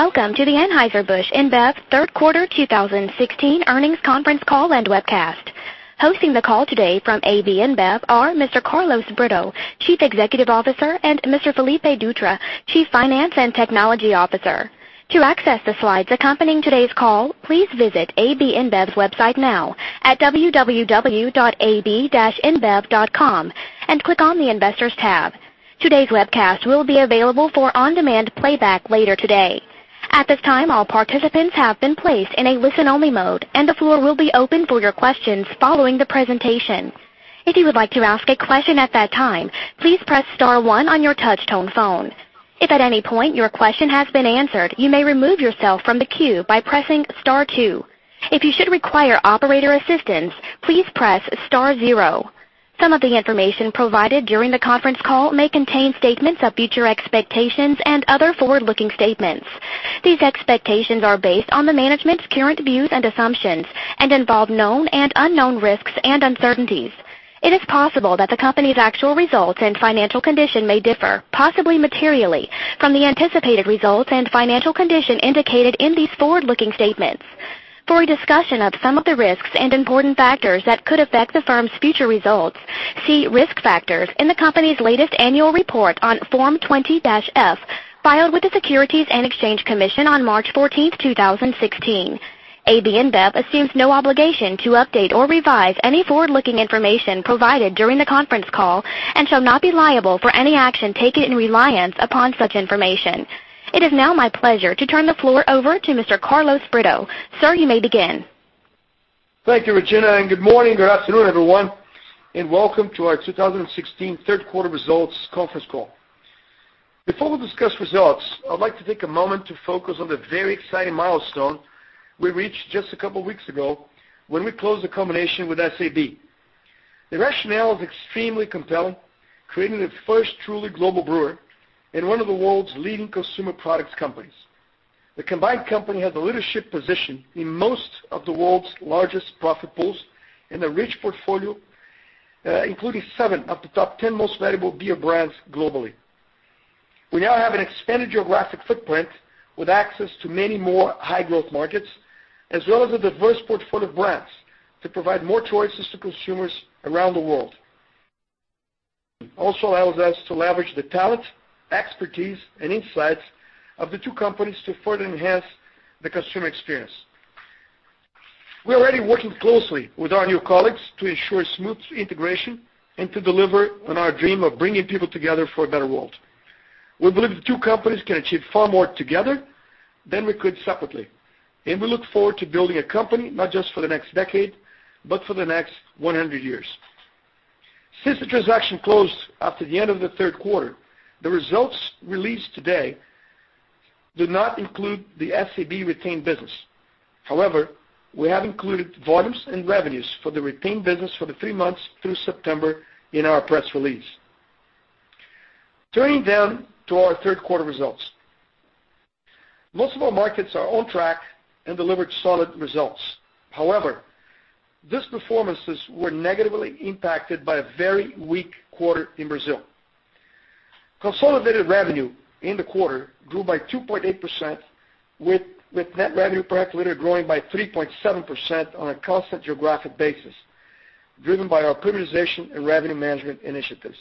Welcome to the Anheuser-Busch InBev third quarter 2016 earnings conference call and webcast. Hosting the call today from AB InBev are Mr. Carlos Brito, Chief Executive Officer, and Mr. Felipe Dutra, Chief Finance and Technology Officer. To access the slides accompanying today's call, please visit ab-inbev.com and click on the Investors tab. Today's webcast will be available for on-demand playback later today. At this time, all participants have been placed in a listen-only mode, and the floor will be open for your questions following the presentation. If you would like to ask a question at that time, please press star one on your touch-tone phone. If at any point your question has been answered, you may remove yourself from the queue by pressing star two. If you should require operator assistance, please press star zero. Some of the information provided during the conference call may contain statements of future expectations and other forward-looking statements. These expectations are based on the management's current views and assumptions and involve known and unknown risks and uncertainties. It is possible that the company's actual results and financial condition may differ, possibly materially, from the anticipated results and financial condition indicated in these forward-looking statements. For a discussion of some of the risks and important factors that could affect the firm's future results, see risk factors in the company's latest annual report on Form 20-F filed with the Securities and Exchange Commission on March 14, 2016. AB InBev assumes no obligation to update or revise any forward-looking information provided during the conference call and shall not be liable for any action taken in reliance upon such information. It is now my pleasure to turn the floor over to Mr. Carlos Brito. Sir, you may begin. Thank you, Regina, and good morning or afternoon, everyone, and welcome to our 2016 third quarter results conference call. Before we discuss results, I'd like to take a moment to focus on the very exciting milestone we reached just a couple of weeks ago when we closed the combination with SABMiller. The rationale is extremely compelling, creating the first truly global brewer and one of the world's leading consumer products companies. The combined company has a leadership position in most of the world's largest profit pools and a rich portfolio, including seven of the top 10 most valuable beer brands globally. We now have an expanded geographic footprint with access to many more high-growth markets, as well as a diverse portfolio of brands to provide more choices to consumers around the world. Allows us to leverage the talent, expertise, and insights of the two companies to further enhance the consumer experience. We're already working closely with our new colleagues to ensure smooth integration and to deliver on our dream of bringing people together for a better world. We believe the two companies can achieve far more together than we could separately. We look forward to building a company not just for the next decade, but for the next 100 years. Since the transaction closed after the end of the third quarter, the results released today do not include the SABMiller retained business. However, we have included volumes and revenues for the retained business for the three months through September in our press release. Turning to our third quarter results. Most of our markets are on track and delivered solid results. These performances were negatively impacted by a very weak quarter in Brazil. Consolidated revenue in the quarter grew by 2.8%, with net revenue per hectolitre growing by 3.7% on a constant geographic basis, driven by our premiumization and revenue management initiatives.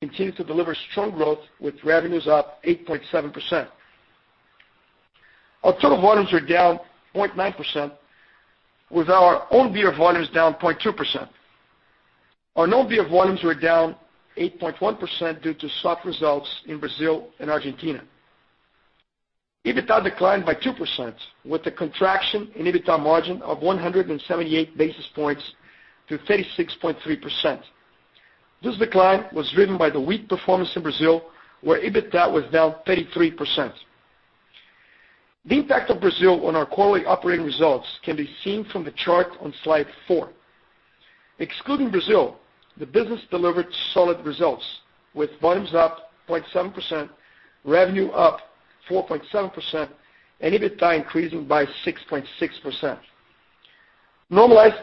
Continue to deliver strong growth with revenues up 8.7%. Our total volumes were down 0.9%, with our own beer volumes down 0.2%. Our no-beer volumes were down 8.1% due to soft results in Brazil and Argentina. EBITDA declined by 2%, with a contraction in EBITDA margin of 178 basis points to 36.3%. This decline was driven by the weak performance in Brazil, where EBITDA was down 33%. The impact of Brazil on our quarterly operating results can be seen from the chart on slide four. Excluding Brazil, the business delivered solid results, with volumes up 0.7%, revenue up 4.7%, and EBITDA increasing by 6.6%. Normalized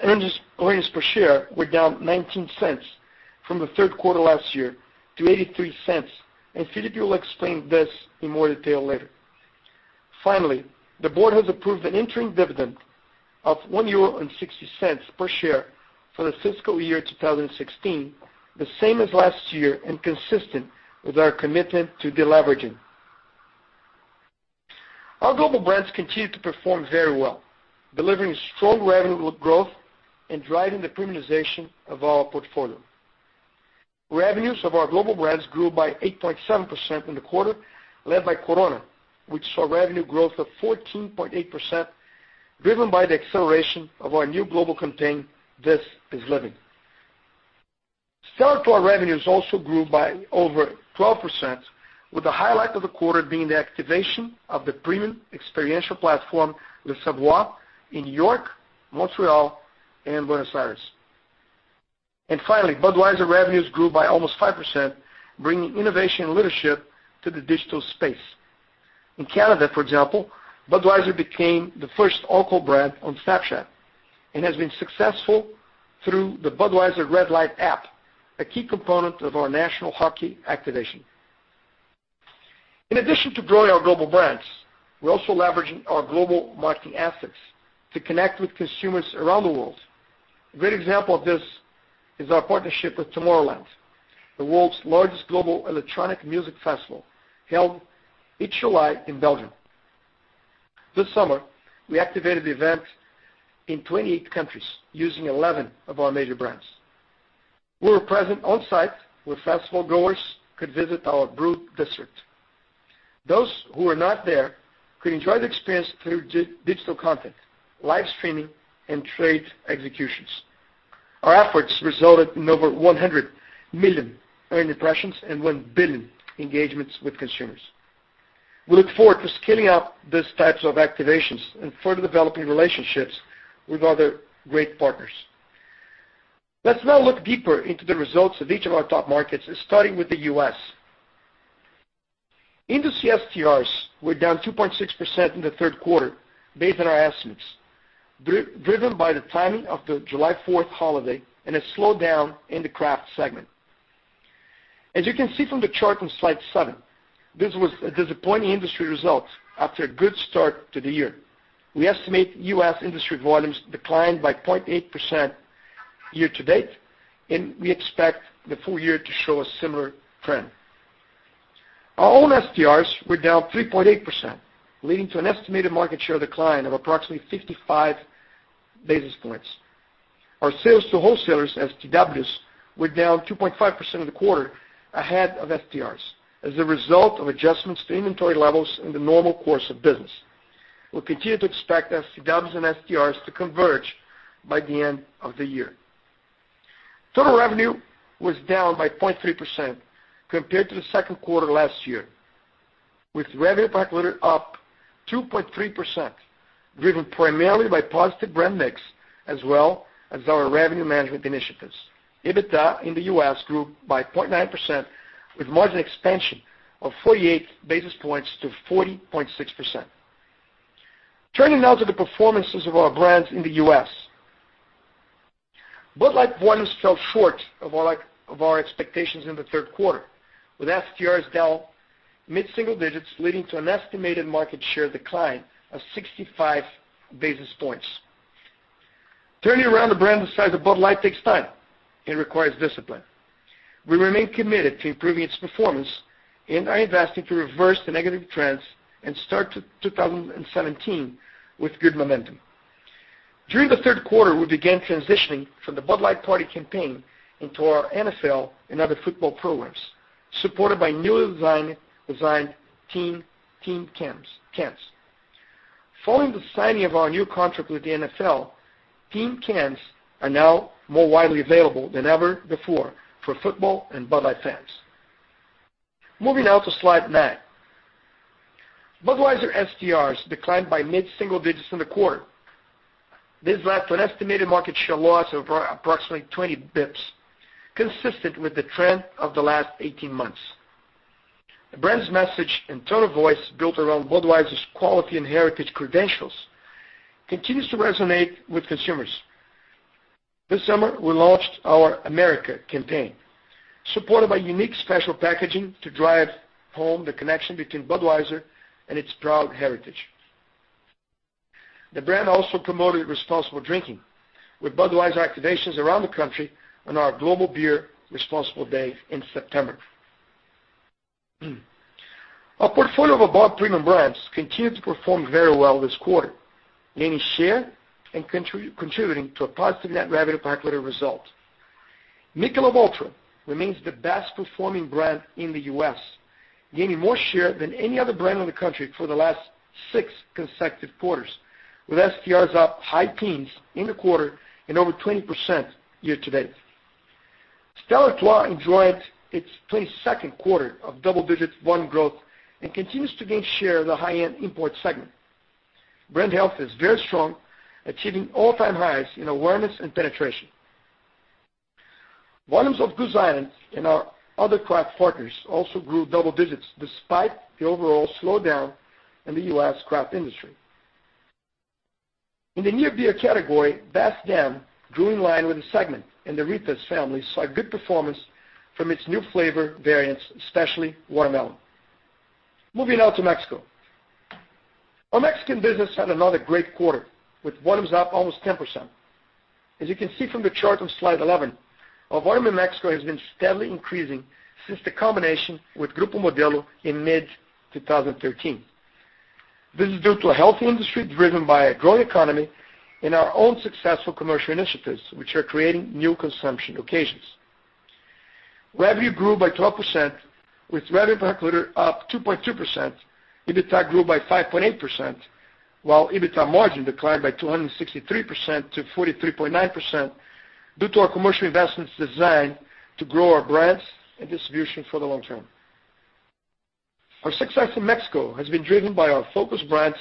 earnings per share were down 0.19 from the third quarter last year to 0.83. Felipe will explain this in more detail later. The board has approved an interim dividend of €1.60 per share for the fiscal year 2016, the same as last year and consistent with our commitment to deleveraging. Our global brands continue to perform very well, delivering strong revenue growth and driving the premiumization of our portfolio. Revenues of our global brands grew by 8.7% in the quarter, led by Corona, which saw revenue growth of 14.8%, driven by the acceleration of our new global campaign, This Is Living. Stella Artois revenues also grew by over 12%, with the highlight of the quarter being the activation of the premium experiential platform, Le Savoir, in New York, Montreal, and Buenos Aires. Budweiser revenues grew by almost 5%, bringing innovation leadership to the digital space. In Canada, for example, Budweiser became the first alcohol brand on Snapchat. Has been successful through the Budweiser Red Light app, a key component of our national hockey activation. In addition to growing our global brands, we're also leveraging our global marketing assets to connect with consumers around the world. A great example of this is our partnership with Tomorrowland, the world's largest global electronic music festival, held each July in Belgium. This summer, we activated the event in 28 countries using 11 of our major brands. We were present on-site, where festival-goers could visit our Brew District. Those who were not there could enjoy the experience through digital content, live streaming, and trade executions. Our efforts resulted in over 100 million earned impressions and 1 billion engagements with consumers. We look forward to scaling up these types of activations and further developing relationships with other great partners. Let's now look deeper into the results of each of our top markets, starting with the U.S. Industry STRs were down 2.6% in the third quarter based on our estimates, driven by the timing of the July 4th holiday and a slowdown in the craft segment. As you can see from the chart on slide seven, this was a disappointing industry result after a good start to the year. We estimate U.S. industry volumes declined by 0.8% year-to-date, and we expect the full year to show a similar trend. Our own STRs were down 3.8%, leading to an estimated market share decline of approximately 55 basis points. Our sales to wholesalers, STWs, were down 2.5% in the quarter ahead of STRs as a result of adjustments to inventory levels in the normal course of business. We'll continue to expect STWs and STRs to converge by the end of the year. Total revenue was down by 0.3% compared to the second quarter last year, with revenue per hectoliter up 2.3%, driven primarily by positive brand mix as well as our revenue management initiatives. EBITDA in the U.S. grew by 0.9% with margin expansion of 48 basis points to 40.6%. Turning now to the performances of our brands in the U.S. Bud Light volumes fell short of our expectations in the third quarter, with STRs down mid-single digits, leading to an estimated market share decline of 65 basis points. Turning around a brand the size of Bud Light takes time and requires discipline. We remain committed to improving its performance and are investing to reverse the negative trends and start 2017 with good momentum. During the third quarter, we began transitioning from the Bud Light Party campaign into our NFL and other football programs, supported by newly designed team cans. Following the signing of our new contract with the NFL, team cans are now more widely available than ever before for football and Bud Light fans. Moving now to slide nine. Budweiser STRs declined by mid-single digits in the quarter. This led to an estimated market share loss of approximately 20 basis points, consistent with the trend of the last 18 months. The brand's message and tone of voice, built around Budweiser's quality and heritage credentials, continues to resonate with consumers. This summer, we launched our America campaign, supported by unique special packaging to drive home the connection between Budweiser and its proud heritage. The brand also promoted responsible drinking with Budweiser activations around the country on our Global Be(er) Responsible Day in September. Our portfolio of above-premium brands continued to perform very well this quarter, gaining share and contributing to a positive net revenue per pack liter result. Michelob ULTRA remains the best-performing brand in the U.S., gaining more share than any other brand in the country for the last six consecutive quarters, with STRs up high teens in the quarter and over 20% year-to-date. Stella Artois enjoyed its 22nd quarter of double-digit volume growth and continues to gain share in the high-end import segment. Brand health is very strong, achieving all-time highs in awareness and penetration. Volumes of Goose Island and our other craft partners also grew double digits despite the overall slowdown in the U.S. craft industry. In the near-beer category, Best Damn grew in line with the segment, and the Ritas family saw good performance from its new flavor variants, especially watermelon. Moving now to Mexico. Our Mexican business had another great quarter, with volumes up almost 10%. As you can see from the chart on slide 11, our volume in Mexico has been steadily increasing since the combination with Grupo Modelo in mid-2013. This is due to a healthy industry driven by a growing economy and our own successful commercial initiatives, which are creating new consumption occasions. Revenue grew by 12%, with revenue per pack liter up 2.2%. EBITDA grew by 5.8%, while EBITDA margin declined by 263% to 43.9% due to our commercial investments designed to grow our brands and distribution for the long term. Our success in Mexico has been driven by our focus brands,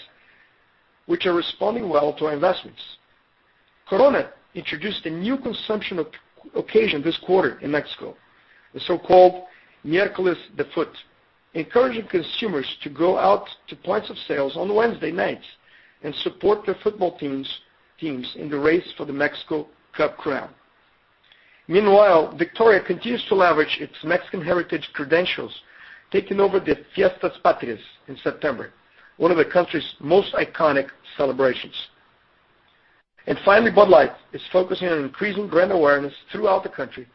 which are responding well to our investments. Corona introduced a new consumption occasion this quarter in Mexico. The so-called Miércoles de Fut, encouraging consumers to go out to points of sales on Wednesday nights and support their football teams in the race for the Copa MX crown. Finally, Bud Light is focusing on increasing brand awareness throughout the country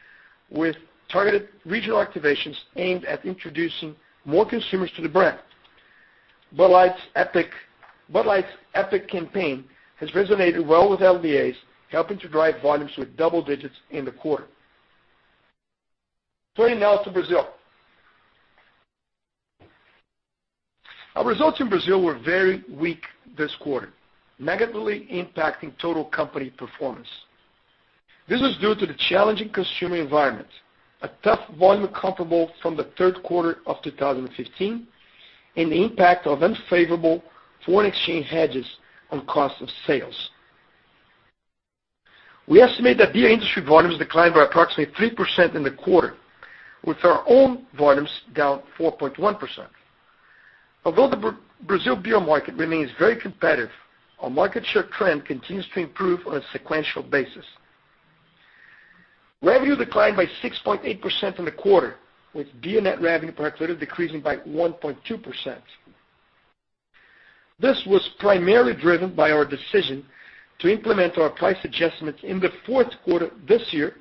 with targeted regional activations aimed at introducing more consumers to the brand. Meanwhile, Victoria continues to leverage its Mexican heritage credentials, taking over the Fiestas Patrias in September, one of the country's most iconic celebrations. Bud Light's epic campaign has resonated well with LDAs, helping to drive volumes with double digits in the quarter. Turning now to Brazil. Our results in Brazil were very weak this quarter, negatively impacting total company performance. This was due to the challenging consumer environment, a tough volume comparable from the third quarter of 2015, and the impact of unfavorable foreign exchange hedges on cost of sales. We estimate that beer industry volumes declined by approximately 3% in the quarter, with our own volumes down 4.1%. Although the Brazil beer market remains very competitive, our market share trend continues to improve on a sequential basis. Revenue declined by 6.8% in the quarter, with beer net revenue per hectoliter decreasing by 1.2%. This was primarily driven by our decision to implement our price adjustments in the fourth quarter this year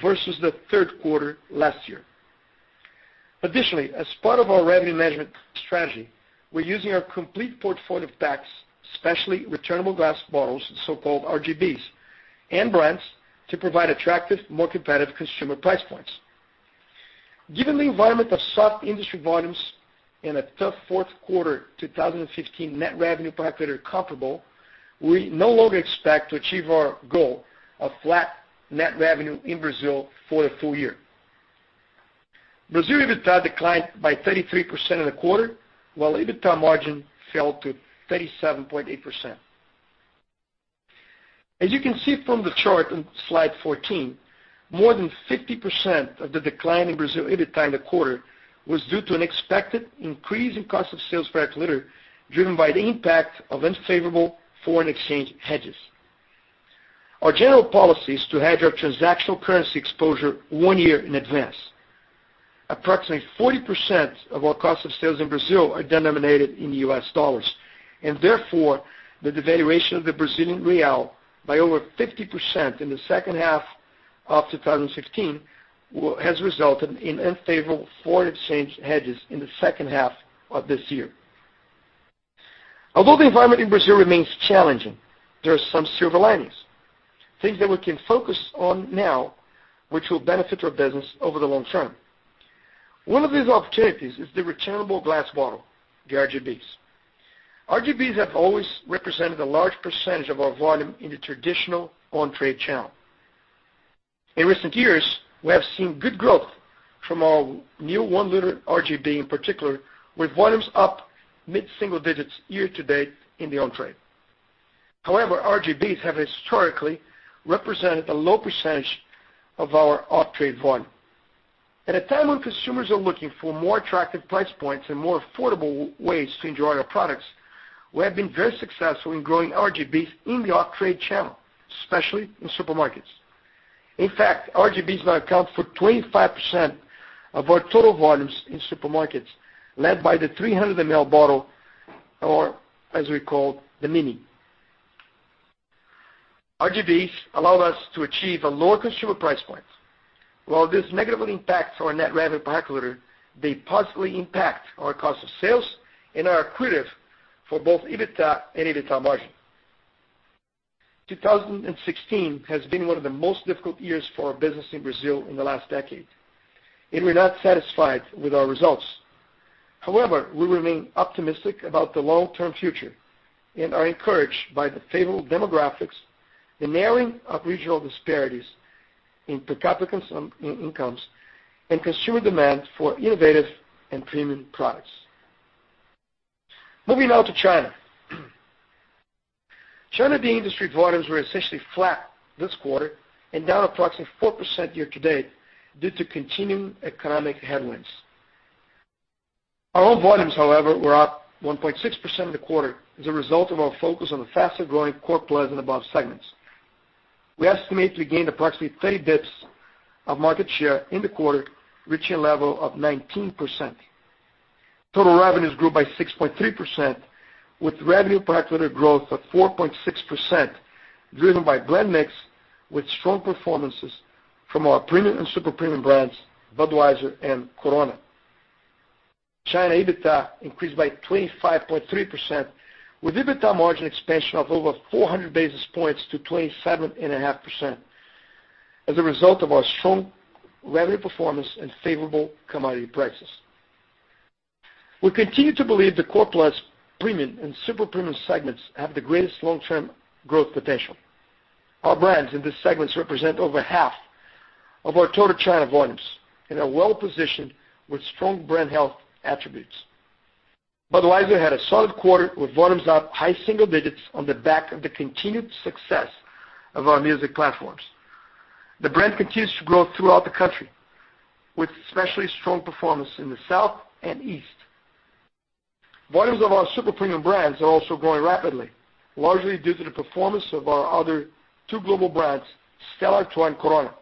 versus the third quarter last year. Additionally, as part of our revenue management strategy, we are using our complete portfolio of packs, especially returnable glass bottles, so-called RGBs, and brands to provide attractive, more competitive consumer price points. Given the environment of soft industry volumes and a tough fourth quarter 2015 net revenue per hectoliter comparable, we no longer expect to achieve our goal of flat net revenue in Brazil for the full year. Brazil EBITDA declined by 33% in the quarter, while EBITDA margin fell to 37.8%. As you can see from the chart on slide 14, more than 50% of the decline in Brazil EBITDA in the quarter was due to an expected increase in cost of sales per hectoliter, driven by the impact of unfavorable foreign exchange hedges. Our general policy is to hedge our transactional currency exposure one year in advance. Approximately 40% of our cost of sales in Brazil are denominated in US dollars. Therefore, the devaluation of the Brazilian real by over 50% in the second half of 2016 has resulted in unfavorable foreign exchange hedges in the second half of this year. Although the environment in Brazil remains challenging, there are some silver linings, things that we can focus on now, which will benefit our business over the long term. One of these opportunities is the returnable glass bottle, the RGBs. RGBs have always represented a large percentage of our volume in the traditional on-trade channel. In recent years, we have seen good growth from our new one-liter RGB in particular, with volumes up mid-single digits year to date in the on-trade. However, RGBs have historically represented a low percentage of our off-trade volume. At a time when consumers are looking for more attractive price points and more affordable ways to enjoy our products, we have been very successful in growing RGBs in the off-trade channel, especially in supermarkets. In fact, RGBs now account for 25% of our total volumes in supermarkets, led by the 300-ml bottle, or as we call, the Mini. RGBs allow us to achieve a lower consumer price point. While this negatively impacts our net revenue per hectoliter, they positively impact our cost of sales and are accretive for both EBITDA and EBITDA margin. 2016 has been one of the most difficult years for our business in Brazil in the last decade, and we're not satisfied with our results. We remain optimistic about the long-term future and are encouraged by the favorable demographics, the narrowing of regional disparities in per capita incomes, and consumer demand for innovative and premium products. Moving now to China. China beer industry volumes were essentially flat this quarter and down approximately 4% year to date due to continuing economic headwinds. Our own volumes, however, were up 1.6% in the quarter as a result of our focus on the faster-growing core plus and above segments. We estimate we gained approximately 30 basis points of market share in the quarter, reaching a level of 19%. Total revenues grew by 6.3%, with revenue per hectoliter growth of 4.6%, driven by brand mix with strong performances from our premium and super-premium brands, Budweiser and Corona. China EBITDA increased by 25.3%, with EBITDA margin expansion of over 400 basis points to 27.5% as a result of our strong revenue performance and favorable commodity prices. We continue to believe that core plus premium and super-premium segments have the greatest long-term growth potential. Our brands in these segments represent over half of our total China volumes and are well-positioned with strong brand health attributes. Budweiser had a solid quarter with volumes up high single digits on the back of the continued success of our music platforms. The brand continues to grow throughout the country, with especially strong performance in the South and East. Volumes of our super premium brands are also growing rapidly, largely due to the performance of our other two global brands, Stella Artois and Corona.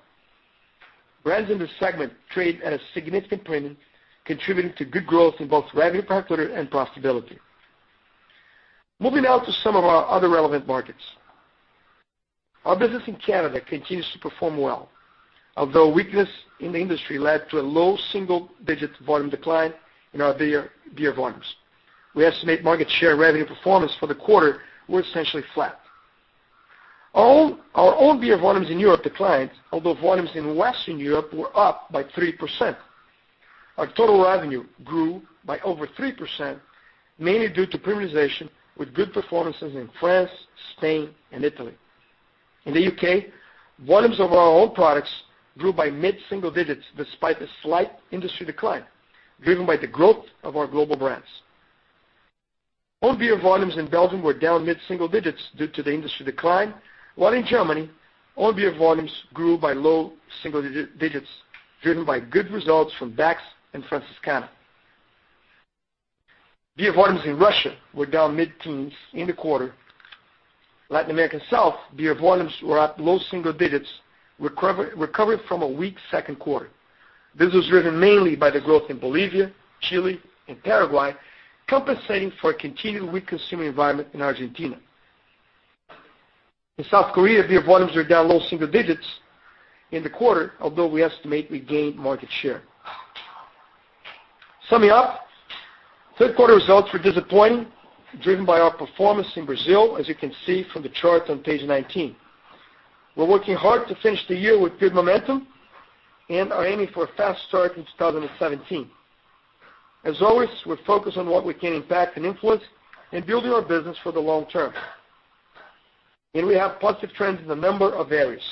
Brands in this segment trade at a significant premium, contributing to good growth in both revenue per hectoliter and profitability. Moving now to some of our other relevant markets. Our business in Canada continues to perform well. Although weakness in the industry led to a low single-digit volume decline in our beer volumes. We estimate market share revenue performance for the quarter were essentially flat. Our own beer volumes in Europe declined, although volumes in Western Europe were up by 3%. Our total revenue grew by over 3%, mainly due to premiumization with good performances in France, Spain and Italy. In the U.K., volumes of our own products grew by mid-single digits despite a slight industry decline, driven by the growth of our global brands. Own beer volumes in Belgium were down mid-single digits due to the industry decline, while in Germany, own beer volumes grew by low single digits, driven by good results from Beck's and Franziskaner. Beer volumes in Russia were down mid-teens in the quarter. Latin American South beer volumes were up low single digits, recovering from a weak second quarter. This was driven mainly by the growth in Bolivia, Chile and Paraguay, compensating for a continued weak consumer environment in Argentina. In South Korea, beer volumes are down low single digits in the quarter, although we estimate we gained market share. Summing up, third quarter results were disappointing, driven by our performance in Brazil, as you can see from the chart on page 19. We're working hard to finish the year with good momentum and are aiming for a fast start in 2017. As always, we're focused on what we can impact and influence in building our business for the long term. We have positive trends in a number of areas.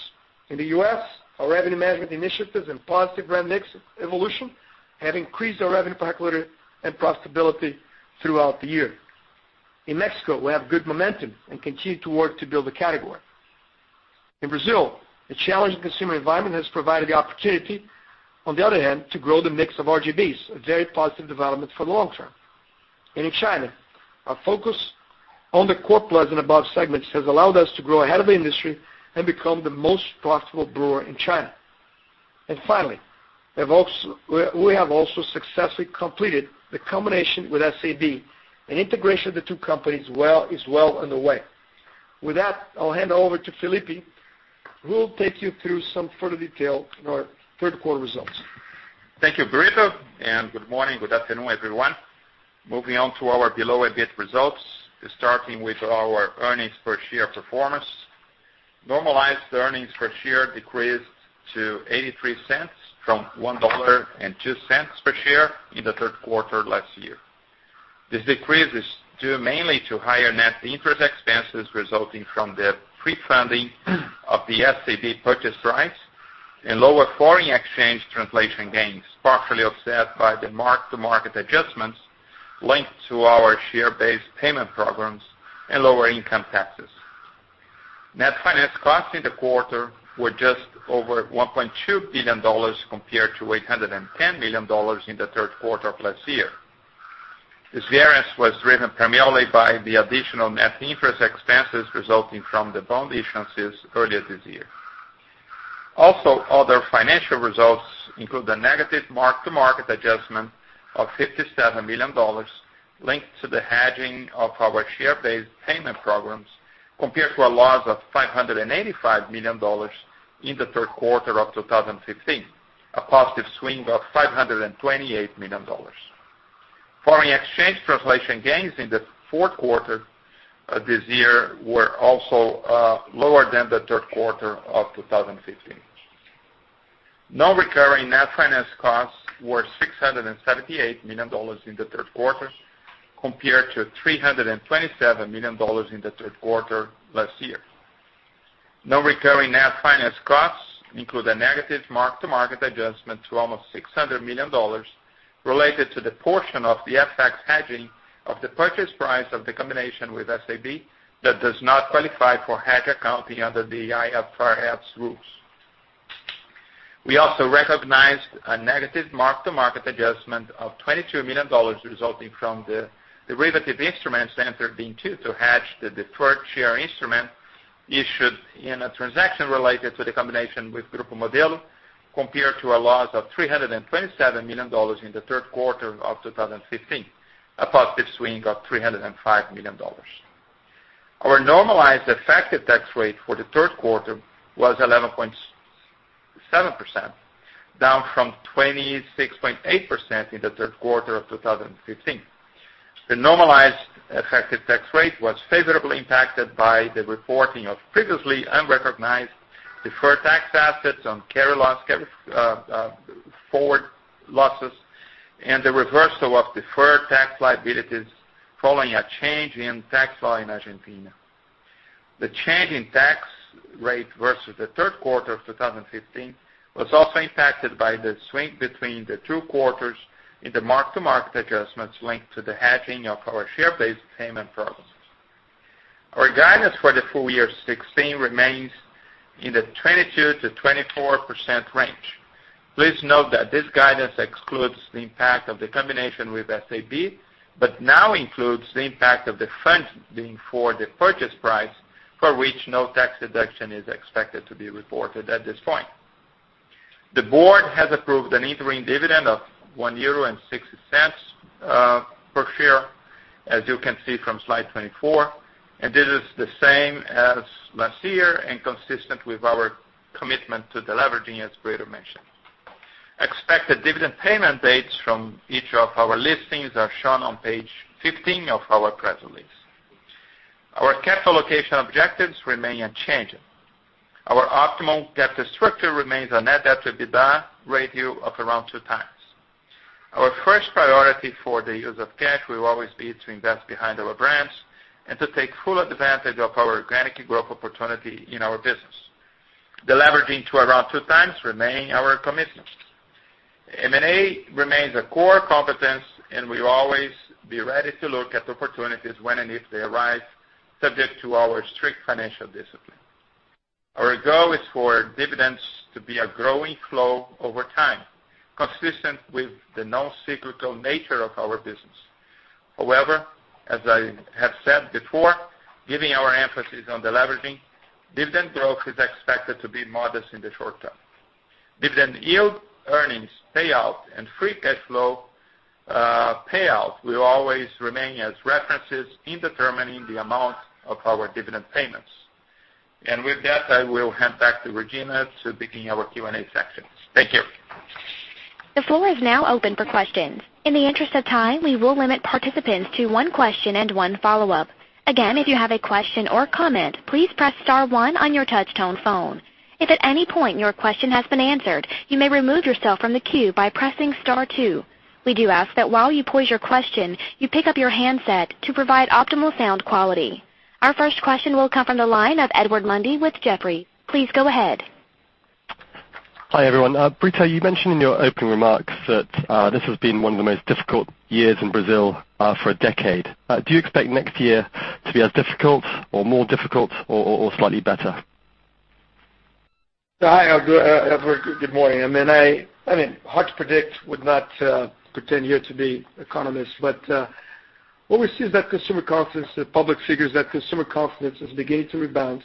In the U.S., our revenue management initiatives and positive brand mix evolution have increased our revenue per hectoliter and profitability throughout the year. In Mexico, we have good momentum and continue to work to build the category. In Brazil, a challenging consumer environment has provided the opportunity, on the other hand, to grow the mix of RGBs, a very positive development for the long term. In China, our focus on the core plus and above segments has allowed us to grow ahead of the industry and become the most profitable brewer in China. Finally, we have also successfully completed the combination with SABMiller, and integration of the two companies is well underway. With that, I'll hand over to Felipe, who will take you through some further detail in our third quarter results. Thank you, Brito, good morning, good afternoon, everyone. Moving on to our below-EBIT results, starting with our earnings per share performance. Normalized earnings per share decreased to 0.83 from EUR 1.02 per share in the third quarter last year. This decrease is due mainly to higher net interest expenses resulting from the pre-funding of the SABMiller purchase price and lower foreign exchange translation gains, partially offset by the mark-to-market adjustments linked to our share-based payment programs and lower income taxes. Net finance costs in the quarter were just over EUR 1.2 billion, compared to EUR 810 million in the third quarter of last year. This variance was driven primarily by the additional net interest expenses resulting from the bond issuances earlier this year. Other financial results include a negative mark-to-market adjustment of $57 million linked to the hedging of our share-based payment programs, compared to a loss of $585 million in the third quarter of 2015, a positive swing of $528 million. Foreign exchange translation gains in the fourth quarter this year were also lower than the third quarter of 2015. Non-recurring net finance costs were $678 million in the third quarter, compared to $327 million in the third quarter last year. Non-recurring net finance costs include a negative mark-to-market adjustment to almost $600 million related to the portion of the FX hedging of the purchase price of the combination with SABMiller that does not qualify for hedge accounting under the IFRS rules. We also recognized a negative mark-to-market adjustment of $22 million resulting from the derivative instruments entered into to hedge the deferred share instrument issued in a transaction related to the combination with Grupo Modelo, compared to a loss of $327 million in the third quarter of 2015, a positive swing of $305 million. Our normalized effective tax rate for the third quarter was 11.7%, down from 26.8% in the third quarter of 2015. The normalized effective tax rate was favorably impacted by the reporting of previously unrecognized deferred tax assets on carry forward losses and the reversal of deferred tax liabilities following a change in tax law in Argentina. The change in tax rate versus the third quarter of 2015 was also impacted by the swing between the two quarters in the mark-to-market adjustments linked to the hedging of our share-based payment programs. Our guidance for the full year 2016 remains in the 22%-24% range. Please note that this guidance excludes the impact of the combination with SABMiller, but now includes the impact of the funds being for the purchase price, for which no tax deduction is expected to be reported at this point. The board has approved an interim dividend of €1.60 per share, as you can see from slide 24, and this is the same as last year and consistent with our commitment to deleveraging, as Brito mentioned. Expected dividend payment dates from each of our listings are shown on page 15 of our press release. Our capital allocation objectives remain unchanged. Our optimal capital structure remains a net debt to EBITDA ratio of around two times. Our first priority for the use of cash will always be to invest behind our brands and to take full advantage of our organic growth opportunity in our business. Deleveraging to around two times remain our commitment. M&A remains a core competence, and we will always be ready to look at opportunities when and if they arise, subject to our strict financial discipline. Our goal is for dividends to be a growing flow over time, consistent with the non-cyclical nature of our business. However, as I have said before, given our emphasis on deleveraging, dividend growth is expected to be modest in the short term. Dividend yield earnings payout and free cash flow payout will always remain as references in determining the amount of our dividend payments. With that, I will hand back to Regina to begin our Q&A section. Thank you. The floor is now open for questions. In the interest of time, we will limit participants to one question and one follow-up. Again, if you have a question or comment, please press star one on your touch-tone phone. If at any point your question has been answered, you may remove yourself from the queue by pressing star two. We do ask that while you pose your question, you pick up your handset to provide optimal sound quality. Our first question will come from the line of Edward Mundy with Jefferies. Please go ahead. Hi, everyone. Brito, you mentioned in your opening remarks that this has been one of the most difficult years in Brazil for a decade. Do you expect next year to be as difficult or more difficult or slightly better? Hi, Edward. Good morning. Hard to predict. Would not pretend here to be economist. What we see is that consumer confidence, the public figures, that consumer confidence is beginning to rebound.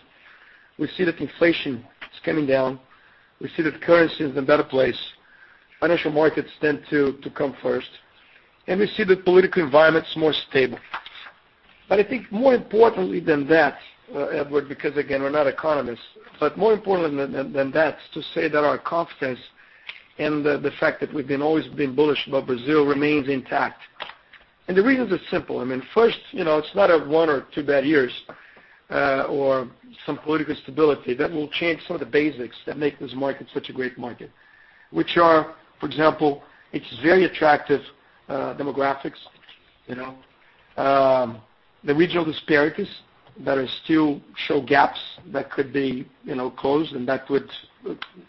We see that inflation is coming down. We see that currency is in a better place. Financial markets tend to come first. We see the political environment is more stable. I think more importantly than that, Edward, because again, we're not economists, more important than that is to say that our confidence and the fact that we've been always been bullish about Brazil remains intact. The reasons are simple. First, it's not one or two bad years or some political stability that will change some of the basics that make this market such a great market. Which are, for example, its very attractive demographics. The regional disparities that still show gaps that could be closed and that would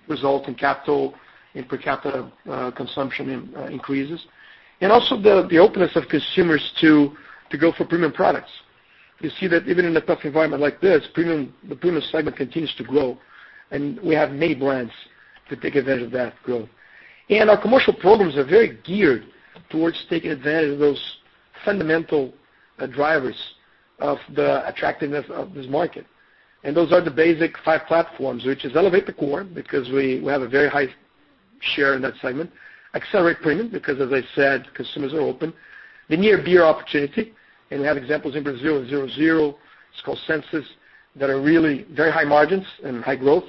result in per capita consumption increases, and also the openness of consumers to go for premium products. You see that even in a tough environment like this, the premium segment continues to grow, and we have many brands to take advantage of that growth. Our commercial programs are very geared towards taking advantage of those fundamental drivers of the attractiveness of this market. Those are the basic five platforms, which is elevate the core, because we have a very high share in that segment. Accelerate premium, because as I said, consumers are open. The near beer opportunity, and we have examples in Brazil, Brahma 0.0, Skol Beats Senses, that are really very high margins and high growth.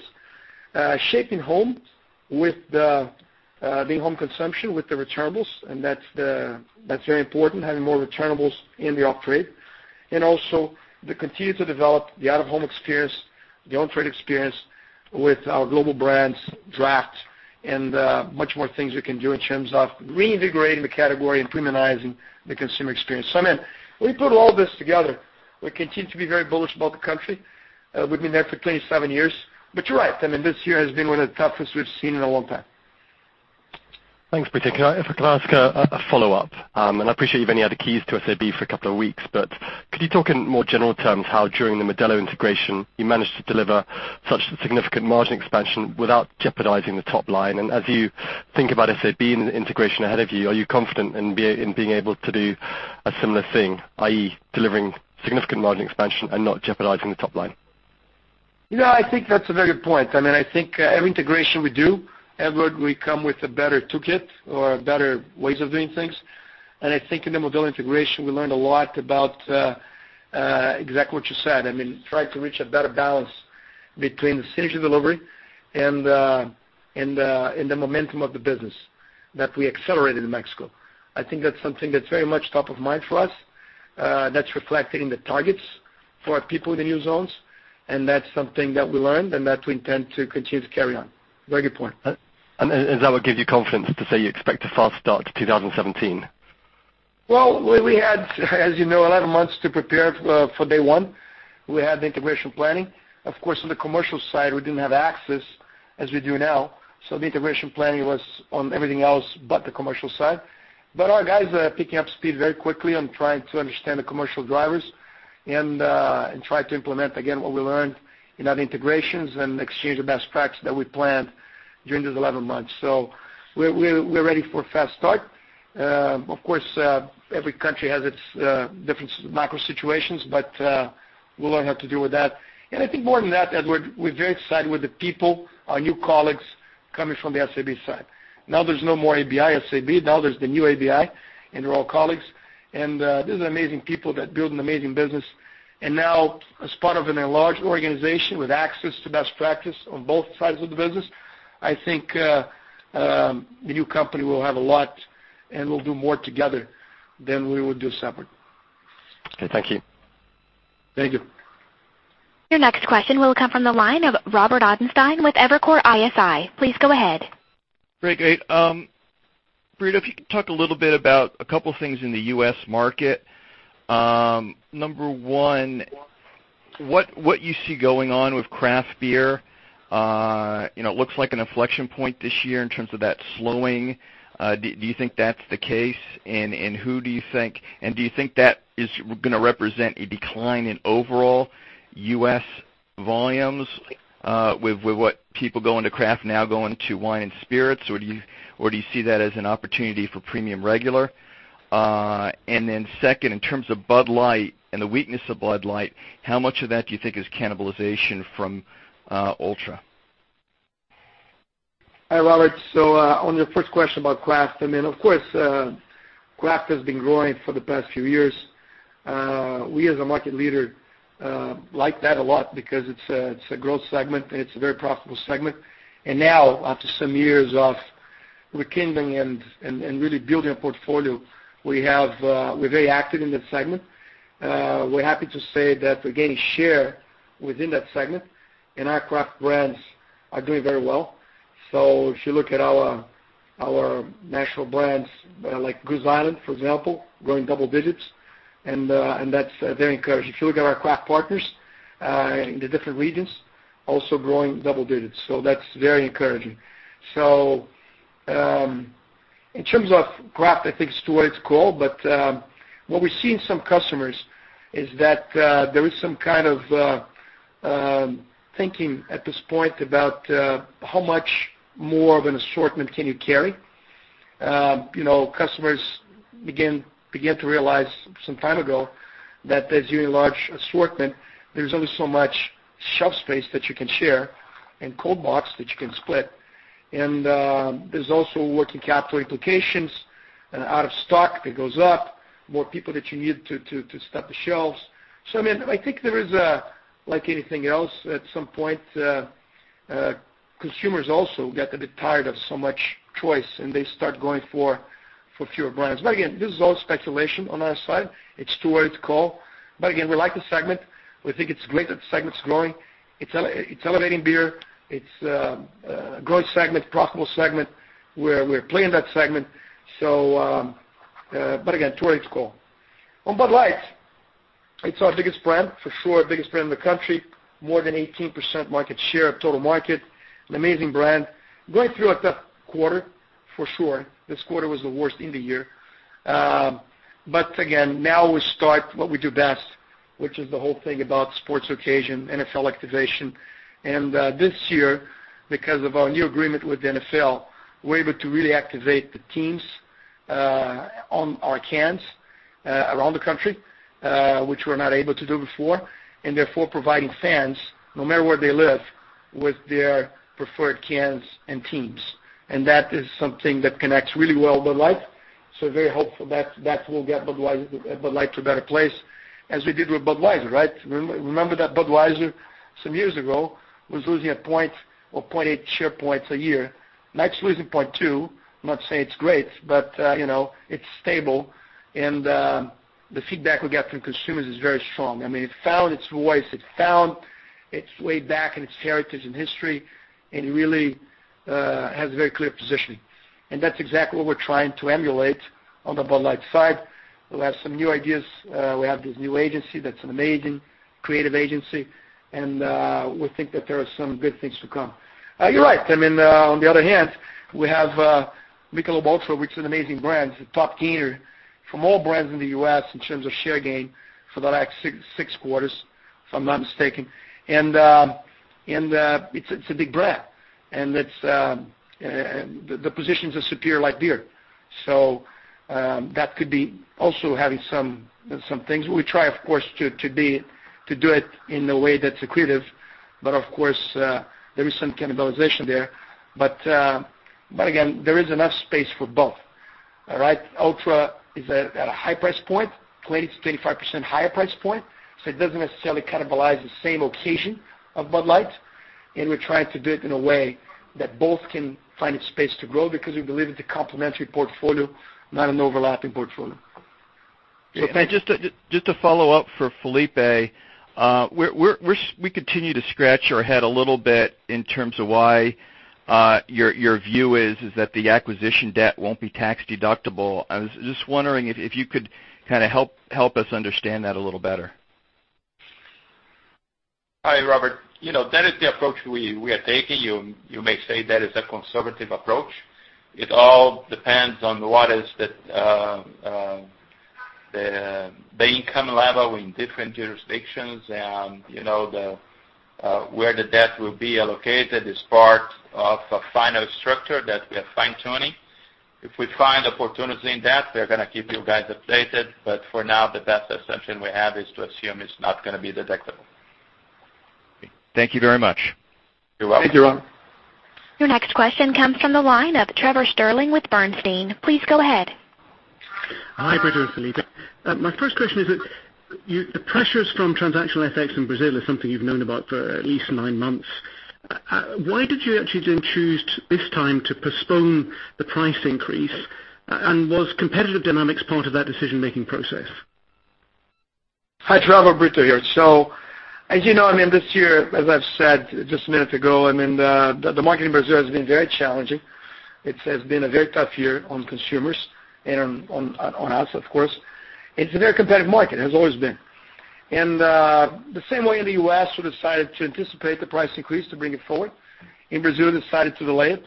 Shaping home with the in-home consumption with the returnables, that's very important, having more returnables in the off-trade. Also to continue to develop the out-of-home experience, the on-trade experience with our global brands, draft, and much more things we can do in terms of reinvigorating the category and premiumizing the consumer experience. When we put all this together, we continue to be very bullish about the country. We've been there for 27 years. You're right, this year has been one of the toughest we've seen in a long time. Thanks, Brito. If I could ask a follow-up. I appreciate you've only had the keys to SABMiller for a couple of weeks, but could you talk in more general terms how during the Modelo integration, you managed to deliver such significant margin expansion without jeopardizing the top line? As you think about SABMiller and the integration ahead of you, are you confident in being able to do a similar thing, i.e., delivering significant margin expansion and not jeopardizing the top line? I think that's a very good point. I think every integration we do, Edward, we come with a better toolkit or better ways of doing things. I think in the Modelo integration, we learned a lot about exactly what you said. Try to reach a better balance between the synergy delivery and the momentum of the business that we accelerated in Mexico. I think that's something that's very much top of mind for us. That's reflected in the targets for our people in the new zones, and that's something that we learned and that we intend to continue to carry on. Very good point. Does that give you confidence to say you expect a fast start to 2017? We had, as you know, 11 months to prepare for day one. We had the integration planning. Of course, on the commercial side, we didn't have access as we do now. The integration planning was on everything else but the commercial side. Our guys are picking up speed very quickly on trying to understand the commercial drivers and trying to implement, again, what we learned in that integrations and exchange of best practice that we planned during these 11 months. We're ready for a fast start. Of course, every country has its different micro-situations, but we'll learn how to deal with that. I think more than that, Edward, we're very excited with the people, our new colleagues, coming from the SABMiller side. Now there's no more ABI, SABMiller. Now there's the new ABI, and we're all colleagues. These are amazing people that build an amazing business. Now, as part of a large organization with access to best practice on both sides of the business, I think the new company will have a lot, and we'll do more together than we would do separate. Okay, thank you. Thank you. Your next question will come from the line of Robert Ottenstein with Evercore ISI. Please go ahead. Great. If you could talk a little bit about a couple of things in the U.S. market. Number one, what you see going on with craft beer. It looks like an inflection point this year in terms of that slowing. Do you think that's the case? Do you think that is going to represent a decline in overall U.S. volumes, with what people go into craft now going to wine and spirits, or do you see that as an opportunity for premium regular? Then second, in terms of Bud Light and the weakness of Bud Light, how much of that do you think is cannibalization from ULTRA? Hi, Robert. On your first question about craft, of course, craft has been growing for the past few years. We, as a market leader, like that a lot because it's a growth segment and it's a very profitable segment. Now, after some years of rekindling and really building a portfolio, we're very active in that segment. We're happy to say that we're gaining share within that segment, and our craft brands are doing very well. If you look at our national brands like Goose Island, for example, growing double digits, and that's very encouraging. If you look at our craft partners in the different regions, also growing double digits. That's very encouraging. In terms of craft, I think it's too early to call, but what we see in some customers is that there is some kind of thinking at this point about how much more of an assortment can you carry. Customers began to realize some time ago that as you enlarge assortment, there's only so much shelf space that you can share and cold box that you can split. There's also working capital implications and out of stock that goes up, more people that you need to stock the shelves. I think there is, like anything else, at some point, consumers also get a bit tired of so much choice and they start going for fewer brands. Again, this is all speculation on our side. It's too early to call. Again, we like the segment. We think it's great that the segment is growing. It's elevating beer. It's a growing segment, profitable segment, where we're playing that segment. Again, too early to call. On Bud Light, it's our biggest brand, for sure, biggest brand in the country, more than 18% market share of total market. An amazing brand. Going through a tough quarter, for sure. This quarter was the worst in the year. Again, now we start what we do best, which is the whole thing about sports occasion, NFL activation. This year, because of our new agreement with the NFL, we're able to really activate the teams on our cans around the country, which we're not able to do before, and therefore providing fans, no matter where they live, with their preferred cans and teams. That is something that connects really well with Bud Light. Very hopeful that will get Bud Light to a better place, as we did with Budweiser. Remember that Budweiser, some years ago, was losing one point or 0.8 share points a year. Now it's losing 0.2. I'm not saying it's great, but it's stable, and the feedback we get from consumers is very strong. It found its voice, it found its way back in its heritage and history, and it really has a very clear positioning. That's exactly what we're trying to emulate on the Bud Light side. We'll have some new ideas. We have this new agency that's an amazing creative agency, and we think that there are some good things to come. You're right. On the other hand, we have Michelob ULTRA, which is an amazing brand. It's a top gainer from all brands in the U.S. in terms of share gain for the last six quarters, if I'm not mistaken. It's a big brand, and the positions are superior light beer. That could be also having some things. We try, of course, to do it in a way that's accretive, but of course, there is some cannibalization there. Again, there is enough space for both. ULTRA is at a high price point, 20%-25% higher price point. It doesn't necessarily cannibalize the same occasion of Bud Light, and we're trying to do it in a way that both can find its space to grow because we believe it's a complementary portfolio, not an overlapping portfolio. Just a follow-up for Felipe. We continue to scratch our head a little bit in terms of why your view is that the acquisition debt won't be tax-deductible. I was just wondering if you could kind of help us understand that a little better. Hi, Robert. That is the approach we are taking. You may say that is a conservative approach. It all depends on what is the income level in different jurisdictions and where the debt will be allocated as part of a final structure that we are fine-tuning. If we find opportunity in that, we're going to keep you guys updated. For now, the best assumption we have is to assume it's not going to be deductible. Thank you very much. You're welcome. Thank you, Robert. Your next question comes from the line of Trevor Stirling with Bernstein. Please go ahead. Hi, Brito and Felipe. My first question is that the pressures from transactional effects in Brazil is something you've known about for at least nine months. Why did you actually choose this time to postpone the price increase? Was competitive dynamics part of that decision-making process? Hi, Trevor. Brito here. As you know, this year, as I've said just a minute ago, the market in Brazil has been very challenging. It has been a very tough year on consumers and on us, of course. It's a very competitive market, has always been. The same way in the U.S., we decided to anticipate the price increase to bring it forward. In Brazil, decided to delay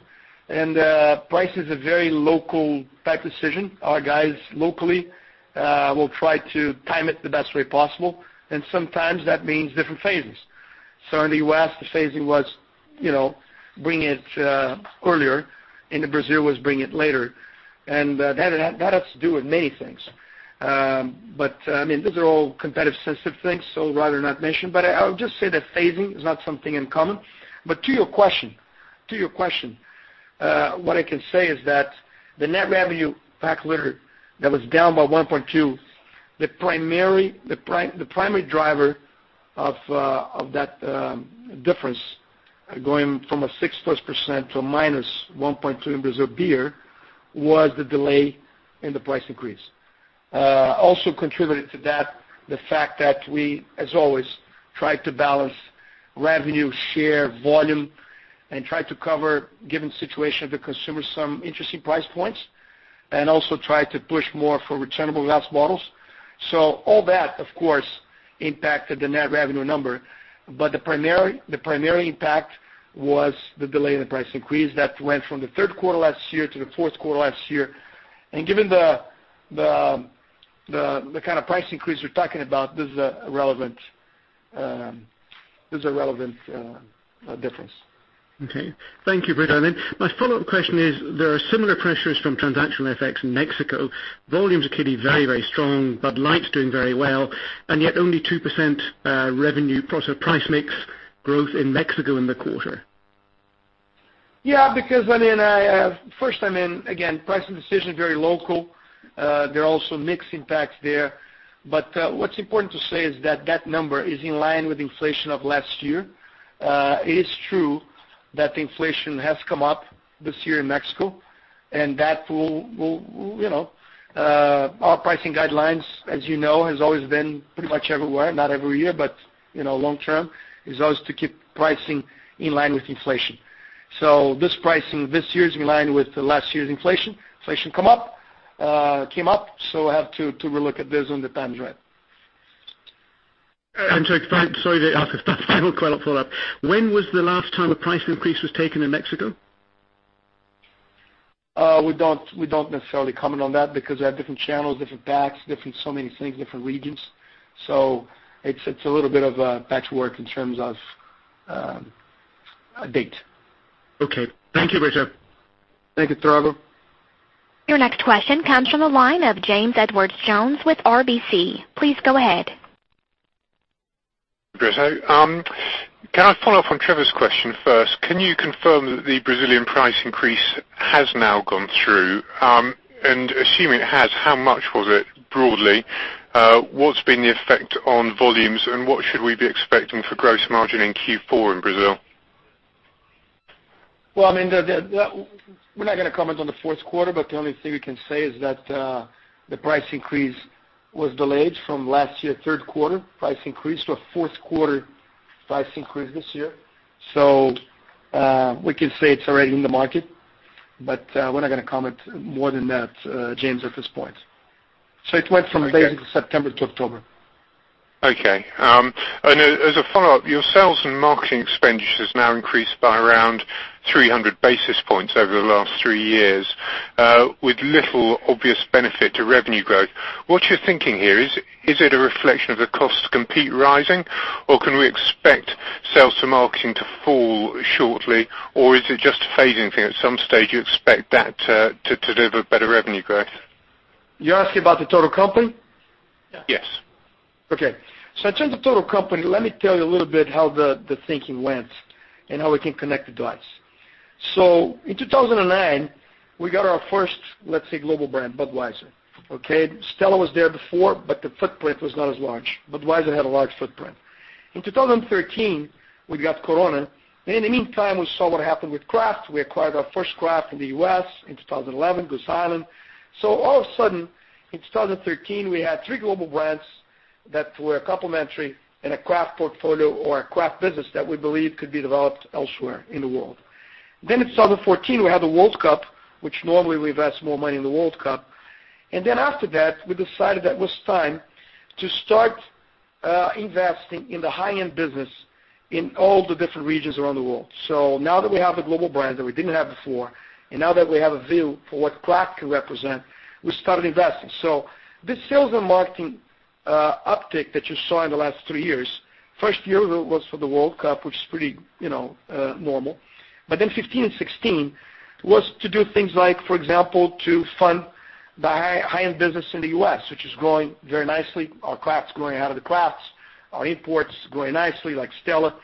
it. Price is a very local type decision. Our guys locally will try to time it the best way possible, and sometimes that means different phases. In the U.S., the phasing was bringing it earlier. In Brazil, it was bringing it later. That has to do with many things. Those are all competitive-sensitive things, so I'd rather not mention. I would just say that phasing is not something uncommon. To your question, what I can say is that the net revenue hectoliter that was down by 1.2, the primary driver of that difference going from a 6% to -1.2% in Brazil beer was the delay in the price increase. Also contributed to that the fact that we, as always, tried to balance revenue, share, volume, and tried to cover, given the situation of the consumer, some interesting price points, and also tried to push more for returnable glass bottles. All that, of course, impacted the net revenue number. The primary impact was the delay in the price increase that went from the third quarter last year to the fourth quarter last year. Given the kind of price increase we're talking about, this is a relevant difference. Okay. Thank you, Brito. My follow-up question is, there are similar pressures from transactional effects in Mexico. Volumes are clearly very strong, Bud Light is doing very well, yet only 2% revenue price mix growth in Mexico in the quarter. First, again, pricing decision is very local. There are also mix impacts there. What's important to say is that that number is in line with inflation of last year. It is true that inflation has come up this year in Mexico. Our pricing guidelines, as you know, has always been pretty much everywhere, not every year, but long term, is always to keep pricing in line with inflation. This pricing this year is in line with last year's inflation. Inflation came up. We'll have to relook at this when the time is right. I'm sorry to ask this final follow-up. When was the last time a price increase was taken in Mexico? We don't necessarily comment on that because they have different channels, different packs, so many things, different regions. It's a little bit of a patchwork in terms of a date. Thank you, Brito. Thank you, Trevor. Your next question comes from the line of James Edwardes Jones with RBC. Please go ahead. Brito, can I follow up on Trevor's question first? Can you confirm that the Brazilian price increase has now gone through? Assuming it has, how much was it broadly? What's been the effect on volumes, and what should we be expecting for gross margin in Q4 in Brazil? Well, we're not going to comment on the fourth quarter, the only thing we can say is that the price increase was delayed from last year, third quarter price increase to a fourth quarter price increase this year. We can say it's already in the market, we're not going to comment more than that, James, at this point. It went from basically September to October. As a follow-up, your sales and marketing expenditures now increased by around 300 basis points over the last three years with little obvious benefit to revenue growth. What's your thinking here? Is it a reflection of the cost to compete rising, or can we expect sales and marketing to fall shortly, or is it just a phasing thing? At some stage, you expect that to deliver better revenue growth. You're asking about the total company? Yes. Okay. In terms of total company, let me tell you a little bit how the thinking went and how we can connect the dots. In 2009, we got our first, let's say, global brand, Budweiser. Okay. Stella was there before, but the footprint was not as large. Budweiser had a large footprint. In 2013, we got Corona. In the meantime, we saw what happened with craft. We acquired our first craft in the U.S. in 2011, Goose Island. All of a sudden, in 2013, we had three global brands that were complementary in a craft portfolio or a craft business that we believe could be developed elsewhere in the world. In summer 2014, we had the World Cup, which normally we invest more money in the World Cup. After that, we decided that it was time to start investing in the high-end business in all the different regions around the world. Now that we have the global brands that we didn't have before, now that we have a view for what craft can represent, we started investing. This sales and marketing uptick that you saw in the last three years, first year was for the World Cup, which is pretty normal. Then 2015 and 2016 was to do things like, for example, to fund the high-end business in the U.S., which is growing very nicely. Our craft is growing out of the crafts, our imports growing nicely, like Stella.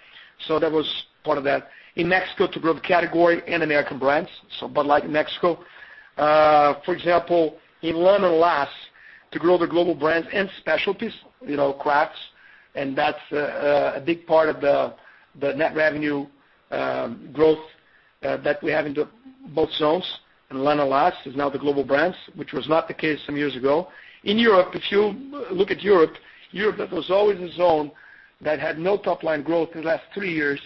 That was part of that. In Mexico, to grow the category and American brands, Bud Light in Mexico. For example, in LAN and LAS, to grow the global brands and specialties, crafts. That's a big part of the net revenue growth that we have in both zones, in LAN and LAS, is now the global brands, which was not the case some years ago. In Europe, if you look at Europe that was always a zone that had no top-line growth in the last 3 years,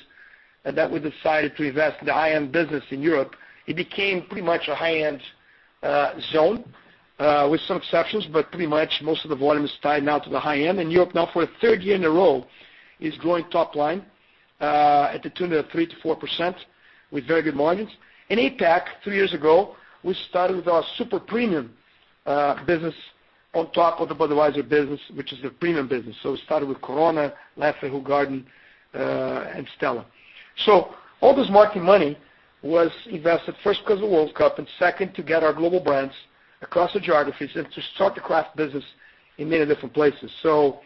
we decided to invest in the high-end business in Europe. It became pretty much a high-end zone, with some exceptions, but pretty much most of the volume is tied now to the high-end. Europe now for a third year in a row, is growing top line at the tune of 3%-4% with very good margins. In APAC, 3 years ago, we started with our super premium business on top of the Budweiser business, which is a premium business. We started with Corona, Leffe, Hoegaarden, and Stella. All this marketing money was invested first because of the World Cup, and second, to get our global brands across the geographies and to start the craft business in many different places. What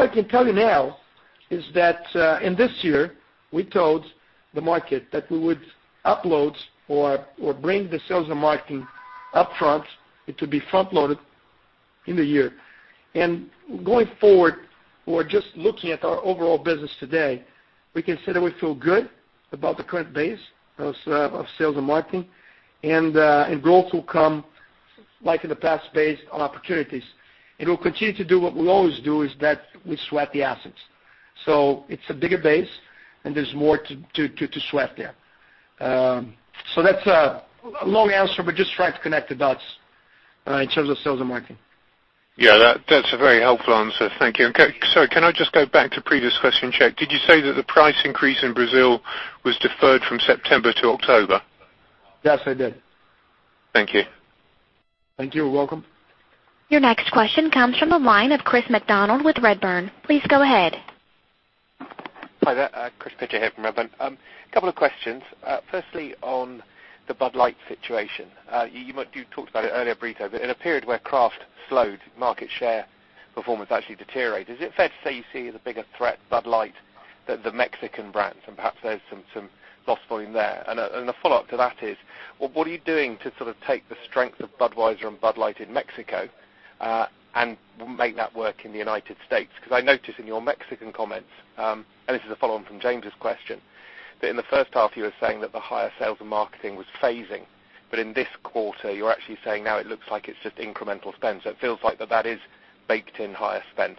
I can tell you now is that in this year, we told the market that we would upload or bring the sales and marketing upfront. It would be front-loaded in the year. Going forward, or just looking at our overall business today, we can say that we feel good about the current base of sales and marketing, and growth will come like in the past, based on opportunities. We'll continue to do what we always do is that we sweat the assets. It's a bigger base and there's more to sweat there. That's a long answer, but just trying to connect the dots in terms of sales and marketing. Yeah, that's a very helpful answer. Thank you. Sorry, can I just go back to the previous question? [inaudible] Did you say that the price increase in Brazil was deferred from September to October? Yes, I did. Thank you. Thank you. Welcome. Your next question comes from the line of Chris McDonald with Redburn. Please go ahead. Hi there. Chris McDonald here from Redburn. Couple of questions. Firstly, on the Bud Light situation. You talked about it earlier, Brito, but in a period where craft slowed market share performance actually deteriorated, is it fair to say you see the bigger threat Bud Light than the Mexican brands, and perhaps there's some loss volume there? A follow-up to that is, what are you doing to sort of take the strength of Budweiser and Bud Light in Mexico, and make that work in the U.S.? I noticed in your Mexican comments, and this is a follow-on from James's question, that in the first half, you were saying that the higher sales and marketing was phasing, but in this quarter, you're actually saying now it looks like it's just incremental spend. It feels like that is baked in higher spend.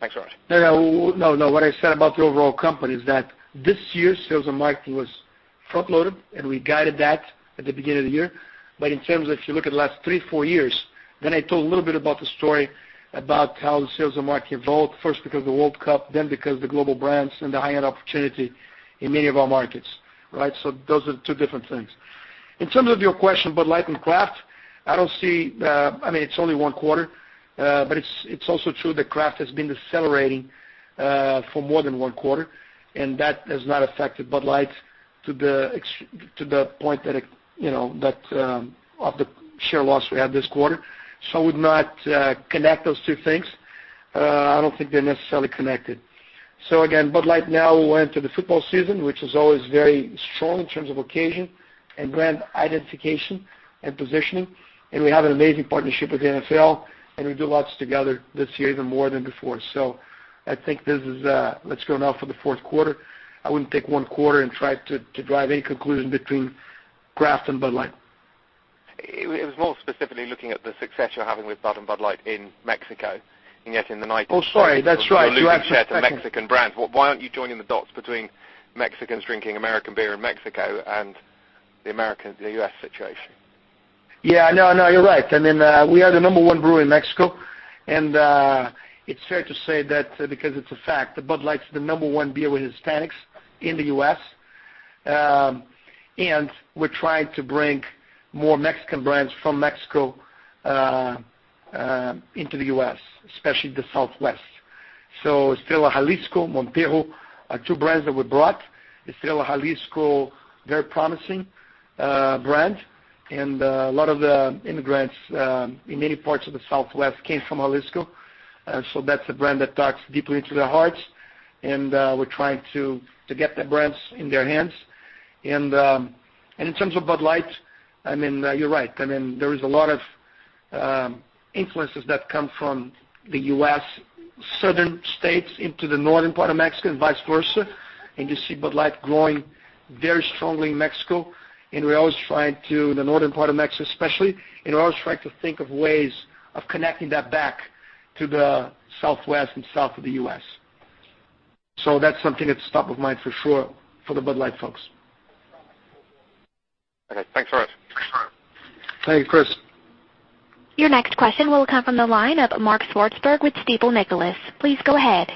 Thanks very much. What I said about the overall company is that this year, sales and marketing was front-loaded, and we guided that at the beginning of the year. In terms of if you look at the last three, four years, I told a little bit about the story about how the sales and marketing evolved, first because of the World Cup, because the global brands and the high-end opportunity in many of our markets. Those are two different things. In terms of your question, Bud Light and craft, it's only one quarter, it's also true that craft has been decelerating for more than one quarter, and that has not affected Bud Light to the point of the share loss we had this quarter. I would not connect those two things. I don't think they're necessarily connected. Again, Bud Light now went to the football season, which is always very strong in terms of occasion and brand identification and positioning, we have an amazing partnership with the NFL, we do lots together this year, even more than before. I think this is what's going on for the fourth quarter. I wouldn't take one quarter and try to drive any conclusion between craft and Bud Light. It was more specifically looking at the success you're having with Bud and Bud Light in Mexico, yet in the United- Oh, sorry. That's right. Mexican brands. Why aren't you joining the dots between Mexicans drinking American beer in Mexico and the U.S. situation? Yeah. No, you're right. I mean, we are the number one brewer in Mexico. It's fair to say that because it's a fact that Bud Light is the number one beer with Hispanics in the U.S. We're trying to bring more Mexican brands from Mexico into the U.S., especially the Southwest. Cerveza Jalisco, Modelo, are two brands that we brought. Cerveza Jalisco, very promising brand, and a lot of the immigrants in many parts of the Southwest came from Jalisco. That's a brand that talks deeply to their hearts, and we're trying to get the brands in their hands. In terms of Bud Light, you're right. There is a lot of influences that come from the U.S. southern states into the northern part of Mexico, and vice versa. You see Bud Light growing very strongly in Mexico, in the northern part of Mexico especially. We're always trying to think of ways of connecting that back to the Southwest and South of the U.S. That's something that's top of mind for sure for the Bud Light folks. Okay, thanks very much. Thank you, Chris. Your next question will come from the line of Mark Swartzberg with Stifel Nicolaus. Please go ahead.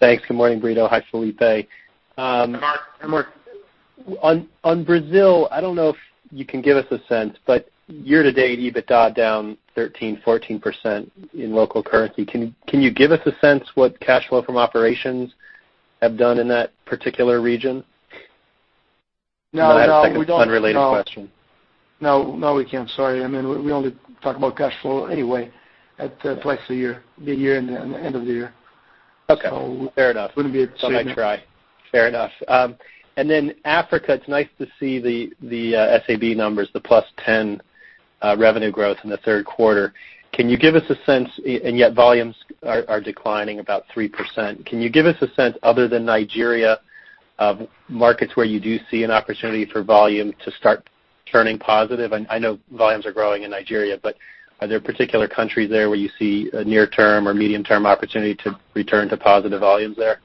Thanks. Good morning, Brito. Hi, Felipe. Mark. On Brazil, I don't know if you can give us a sense. Year-to-date, EBITDA down 13%-14% in local currency. Can you give us a sense what cash flow from operations have done in that particular region? No. I have a second unrelated question. No, we can't. Sorry. We only talk about cash flow anyway at the twice a year, the year and the end of the year. Okay, fair enough. Wouldn't be appropriate. Thought I'd try. Fair enough. Africa, it's nice to see the SABMiller numbers, the +10% revenue growth in the third quarter. Yet volumes are declining about 3%. Can you give us a sense, other than Nigeria, of markets where you do see an opportunity for volume to start turning positive? I know volumes are growing in Nigeria, but are there particular countries there where you see a near-term or medium-term opportunity to return to positive volumes there?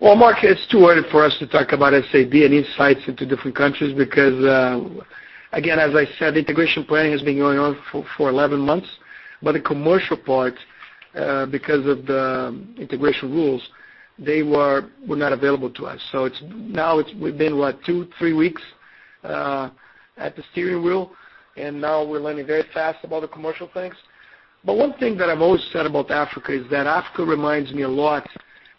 Mark, it's too early for us to talk about SABMiller and insights into different countries because, again, as I said, integration planning has been going on for 11 months. The commercial part because of the integration rules, they were not available to us. Now we've been what, two, three weeks at the steering wheel, and now we're learning very fast about the commercial things. One thing that I've always said about Africa is that Africa reminds me a lot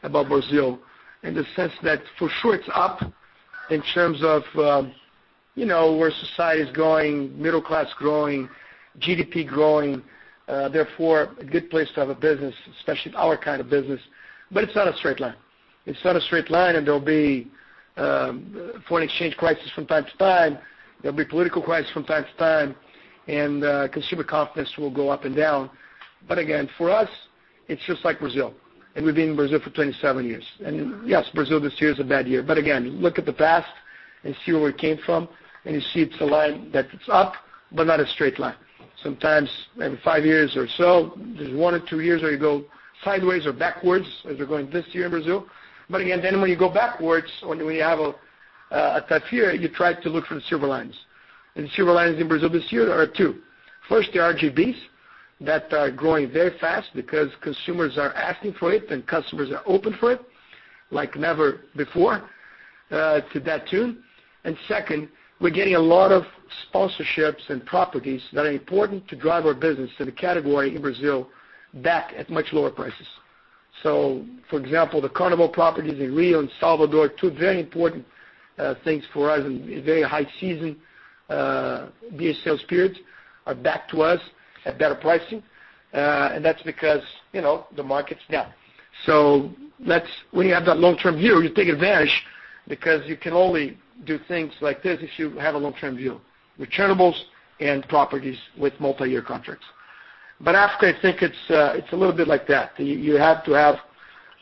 about Brazil in the sense that for sure it's up in terms of where society is going, middle class growing, GDP growing, therefore a good place to have a business, especially our kind of business, but it's not a straight line. It's not a straight line, There'll be foreign exchange crisis from time to time. There'll be political crisis from time to time, Consumer confidence will go up and down. Again, for us, it's just like Brazil, We've been in Brazil for 27 years. Yes, Brazil this year is a bad year. Again, look at the past and see where we came from, You see it's a line that it's up, but not a straight line. Sometimes in five years or so, there's one or two years where you go sideways or backwards as we're going this year in Brazil. Again, when you go backwards, when you have a tough year, you try to look for the silver linings. The silver linings in Brazil this year are two. First, the RGBs that are growing very fast because consumers are asking for it and customers are open for it like never before to that tune. Second, we're getting a lot of sponsorships and properties that are important to drive our business to the category in Brazil back at much lower prices. For example, the Carnival properties in Rio and Salvador, two very important things for us and very high season beer sales periods are back to us at better pricing. That's because the market's down. When you have that long-term view, you take advantage because you can only do things like this if you have a long-term view, returnables and properties with multi-year contracts. Africa, I think it's a little bit like that. You have to have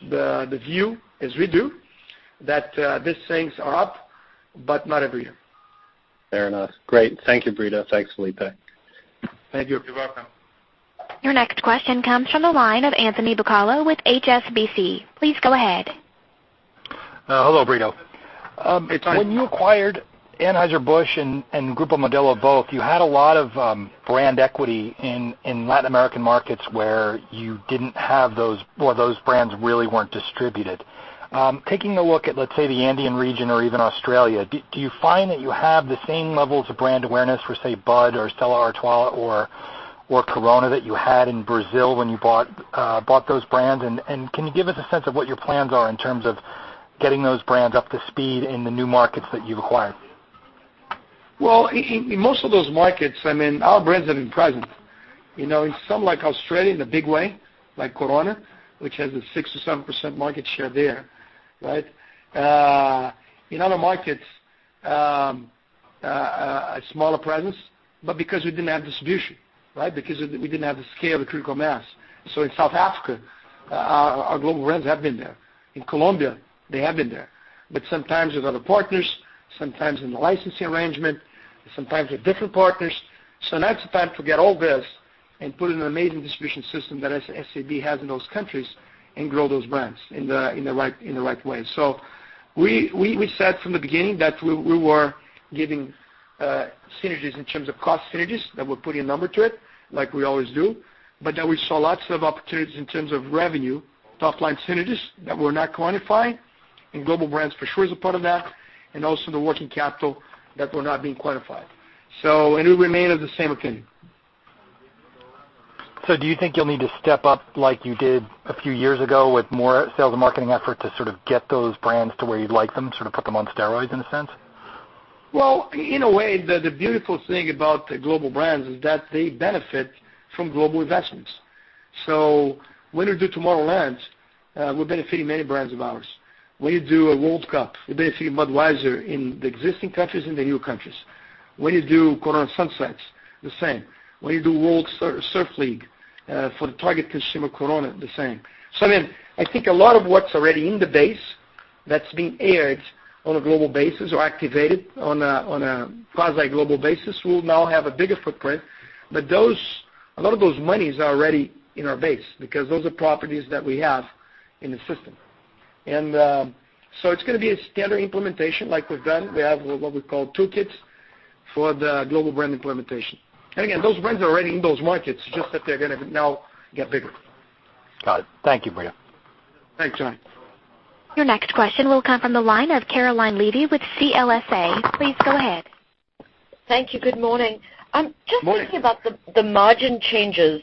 the view, as we do, that these things are up, but not every year. Fair enough. Great. Thank you, Brito. Thanks, Felipe. Thank you. You're welcome. Your next question comes from the line of Anthony Bucalo with HSBC. Please go ahead. Hello, Brito. Hi. When you acquired Anheuser-Busch and Grupo Modelo both, you had a lot of brand equity in Latin American markets where you didn't have those, or those brands really weren't distributed. Taking a look at, let's say, the Andean region or even Australia, do you find that you have the same levels of brand awareness for, say, Bud or Stella Artois or Corona that you had in Brazil when you bought those brands? Can you give us a sense of what your plans are in terms of getting those brands up to speed in the new markets that you've acquired? Well, in most of those markets, our brands have been present. In some like Australia, in a big way, like Corona, which has a 6%-7% market share there. In other markets, a smaller presence, because we didn't have distribution. Because we didn't have the scale, the critical mass. In South Africa, our global brands have been there. In Colombia, they have been there. Sometimes with other partners, sometimes in the licensing arrangement, sometimes with different partners. Now it's the time to get all this and put in an amazing distribution system that SABMiller has in those countries and grow those brands in the right way. We said from the beginning that we were giving synergies in terms of cost synergies, that we're putting a number to it like we always do, but that we saw lots of opportunities in terms of revenue, top-line synergies that were not quantified, and global brands for sure is a part of that, and also the working capital that were not being quantified. We remain of the same opinion. Do you think you'll need to step up like you did a few years ago with more sales and marketing effort to sort of get those brands to where you'd like them, sort of put them on steroids in a sense? Well, in a way, the beautiful thing about the global brands is that they benefit from global investments. When you do Tomorrowland, we're benefiting many brands of ours. When you do a World Cup, you benefit Budweiser in the existing countries and the new countries. When you do Corona Sunsets, the same. When you do World Surf League for the target consumer, Corona, the same. I think a lot of what's already in the base that's being aired on a global basis or activated on a quasi-global basis will now have a bigger footprint. A lot of those monies are already in our base because those are properties that we have in the system. It's going to be a standard implementation like we've done. We have what we call toolkits for the global brand implementation. Again, those brands are already in those markets, it's just that they're going to now get bigger. Got it. Thank you, Brito. Thanks, Tony. Your next question will come from the line of Caroline Levy with CLSA. Please go ahead. Thank you. Good morning. Morning. Just thinking about the margin changes,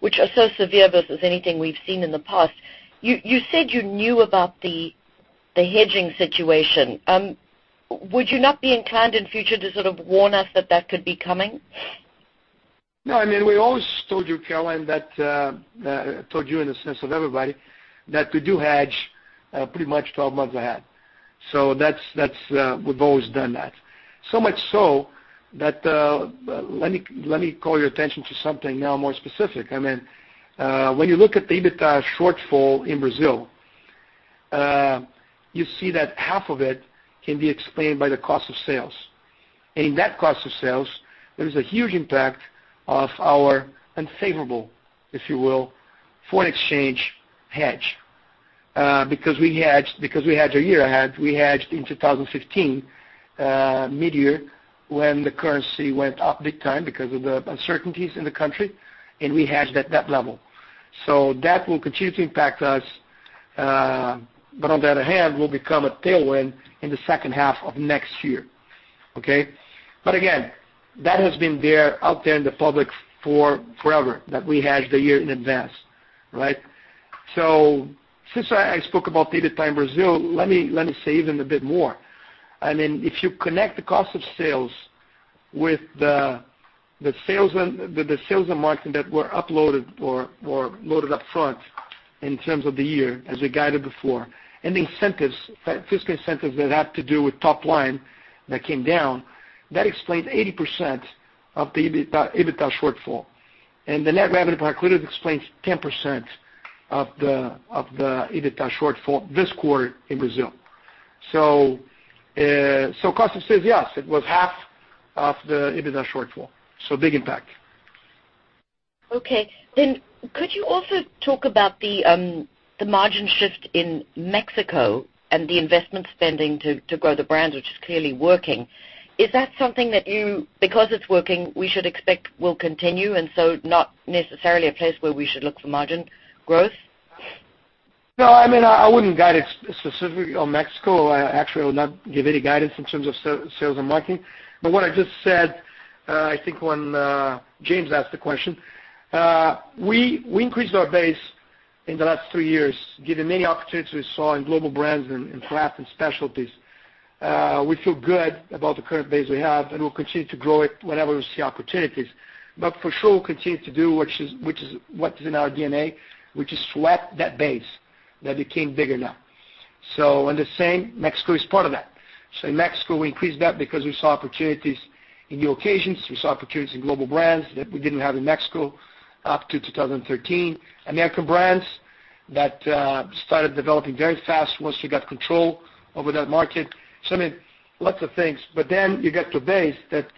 which are so severe versus anything we've seen in the past. You said you knew about the hedging situation. Would you not be inclined in future to sort of warn us that that could be coming? No. We always told you, Caroline, told you in the sense of everybody, that we do hedge pretty much 12 months ahead. We've always done that. Much so that, let me call your attention to something now more specific. When you look at the EBITDA shortfall in Brazil, you see that half of it can be explained by the cost of sales. In that cost of sales, there is a huge impact of our unfavorable, if you will, foreign exchange hedge. Because we hedged a year ahead, we hedged in 2015, mid-year, when the currency went up big time because of the uncertainties in the country, and we hedged at that level. That will continue to impact us. On the other hand, will become a tailwind in the second half of next year. Okay? Again, that has been out there in the public for forever, that we hedge the year in advance. Right? Since I spoke about EBITDA in Brazil, let me say even a bit more. If you connect the cost of sales with the sales and marketing that were uploaded or loaded up front in terms of the year as we guided before, and the fiscal incentives that have to do with top line that came down, that explains 80% of the EBITDA shortfall. The net revenue per equivalent explains 10% of the EBITDA shortfall this quarter in Brazil. Cost of sales, yes, it was half of the EBITDA shortfall. Big impact. Okay. Could you also talk about the margin shift in Mexico and the investment spending to grow the brand, which is clearly working. Is that something that you, because it's working, we should expect will continue, and so not necessarily a place where we should look for margin growth? No, I wouldn't guide it specifically on Mexico. Actually, I would not give any guidance in terms of sales and marketing. What I just said, I think when James asked the question, we increased our base in the last 3 years, given many opportunities we saw in global brands and craft and specialties. We feel good about the current base we have, and we'll continue to grow it whenever we see opportunities. For sure, we'll continue to do what is in our DNA, which is sweat that base that became bigger now. On the same, Mexico is part of that. In Mexico, we increased that because we saw opportunities in new occasions, we saw opportunities in global brands that we didn't have in Mexico up to 2013. American brands that started developing very fast once we got control over that market. Many lots of things. you get to a base that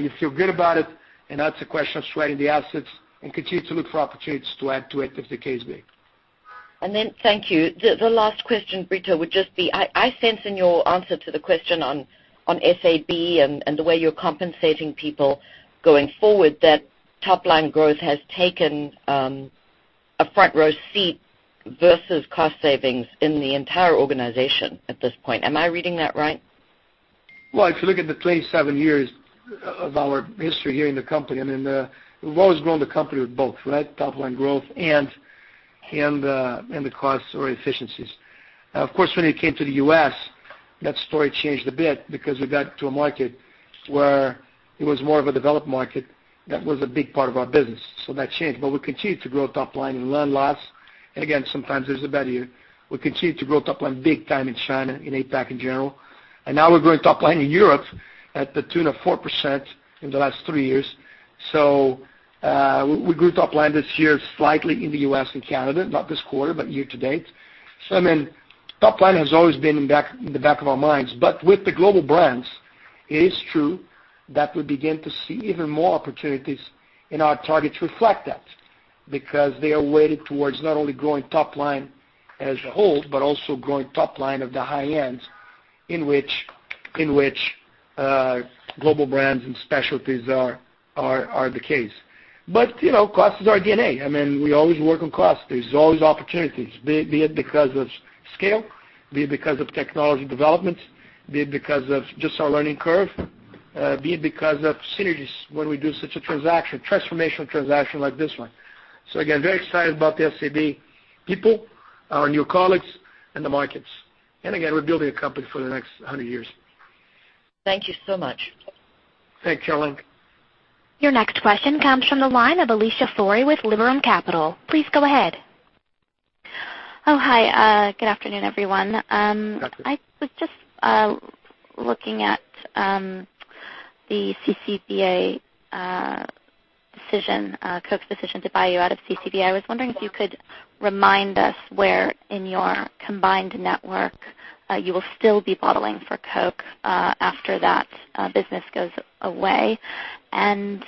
you feel good about it, and that's a question of sweating the assets and continue to look for opportunities to add to it if the case be. Thank you. The last question, Brito, would just be, I sense in your answer to the question on SABMiller and the way you're compensating people going forward, that top-line growth has taken a front-row seat versus cost savings in the entire organization at this point. Am I reading that right? Well, if you look at the 27 years of our history here in the company, we've always grown the company with both, right? Top-line growth and the cost or efficiencies. Of course, when it came to the U.S., that story changed a bit because we got to a market where it was more of a developed market that was a big part of our business. That changed. We continued to grow top-line in Latin America. Again, sometimes there's a bad year. We continued to grow top-line big time in China, in APAC in general. Now we're growing top-line in Europe at the tune of 4% in the last three years. We grew top-line this year slightly in the U.S. and Canada, not this quarter, but year-to-date. Top-line has always been in the back of our minds. With the global brands, it is true that we begin to see even more opportunities, and our targets reflect that. They are weighted towards not only growing top-line as a whole, but also growing top-line of the high-end in which global brands and specialties are the case. Cost is our DNA. We always work on cost. There's always opportunities, be it because of scale, be it because of technology developments, be it because of just our learning curve, be it because of synergies when we do such a transaction, transformational transaction like this one. Again, very excited about the SABMiller people, our new colleagues, and the markets. Again, we're building a company for the next 100 years. Thank you so much. Thanks, Caroline. Your next question comes from the line of Alicia Forry with Liberum Capital. Please go ahead. Oh, hi. Good afternoon, everyone. Got you. I was just looking at the CCBA decision, Coke's decision to buy you out of CCBA. I was wondering if you could remind us where in your combined network you will still be bottling for Coke after that business goes away. In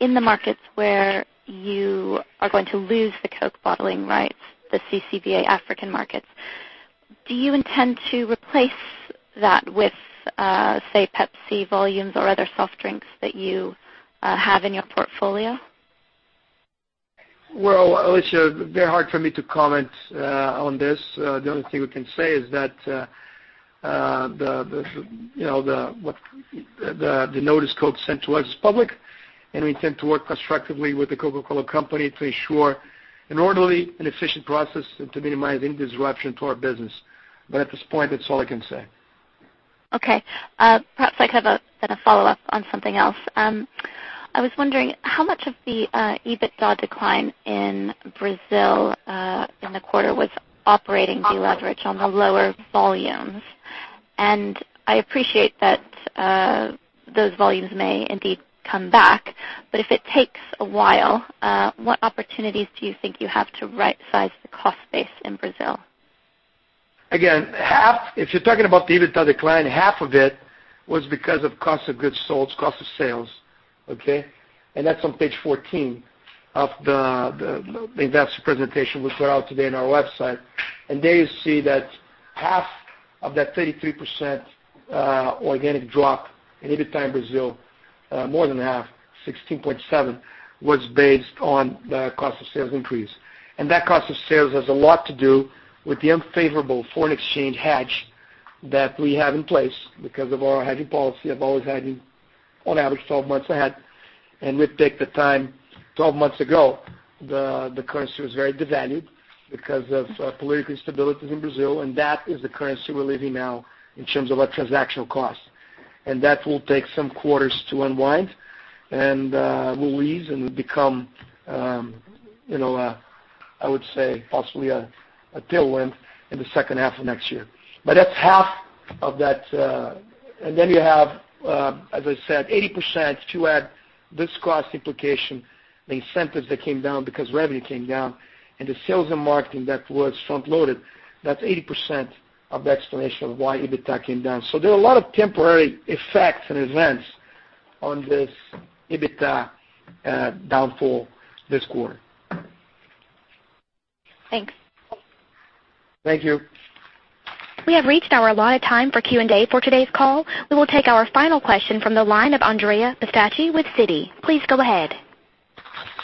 the markets where you are going to lose the Coke bottling rights, the CCBA African markets, do you intend to replace that with, say, Pepsi volumes or other soft drinks that you have in your portfolio? Well, Alicia, very hard for me to comment on this. The only thing we can say is that the notice Coke sent to us is public, and we intend to work constructively with The Coca-Cola Company to ensure an orderly and efficient process and to minimize any disruption to our business. At this point, that's all I can say. Okay. Perhaps I have a follow-up on something else. I was wondering how much of the EBITDA decline in Brazil in the quarter was operating deleverage on the lower volumes. I appreciate that those volumes may indeed come back, but if it takes a while, what opportunities do you think you have to rightsize the cost base in Brazil? If you're talking about the EBITDA decline, half of it was because of cost of goods sold, cost of sales, okay? That's on page 14 of the investor presentation we put out today on our website. There you see that half of that 33% organic drop in EBITDA in Brazil, more than half, 16.7%, was based on the cost of sales increase. That cost of sales has a lot to do with the unfavorable foreign exchange hedge that we have in place because of our hedging policy of always hedging on average 12 months ahead. We take the time 12 months ago, the currency was very devalued because of political instabilities in Brazil, that is the currency we're living now in terms of our transactional costs. That will take some quarters to unwind and will ease and will become, I would say, possibly a tailwind in the second half of next year. That's half of that. Then you have, as I said, 80% to add this cost implication, the incentives that came down because revenue came down, the sales and marketing that was front-loaded, that's 80% of the explanation of why EBITDA came down. There are a lot of temporary effects and events on this EBITDA downfall this quarter. Thanks. Thank you. We have reached our allotted time for Q&A for today's call. We will take our final question from the line of Andrea Pistacchi with Citi. Please go ahead.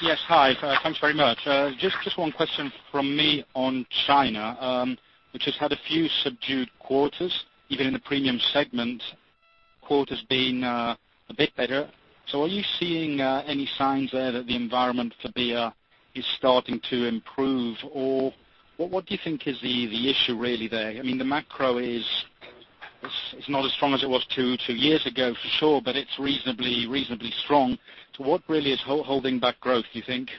Yes, hi. Thanks very much. Just one question from me on China, which has had a few subdued quarters, even in the premium segment, quarter's been a bit better. Are you seeing any signs there that the environment for beer is starting to improve? What do you think is the issue really there? I mean, the macro is not as strong as it was two years ago, for sure, but it's reasonably strong. What really is holding back growth, do you think?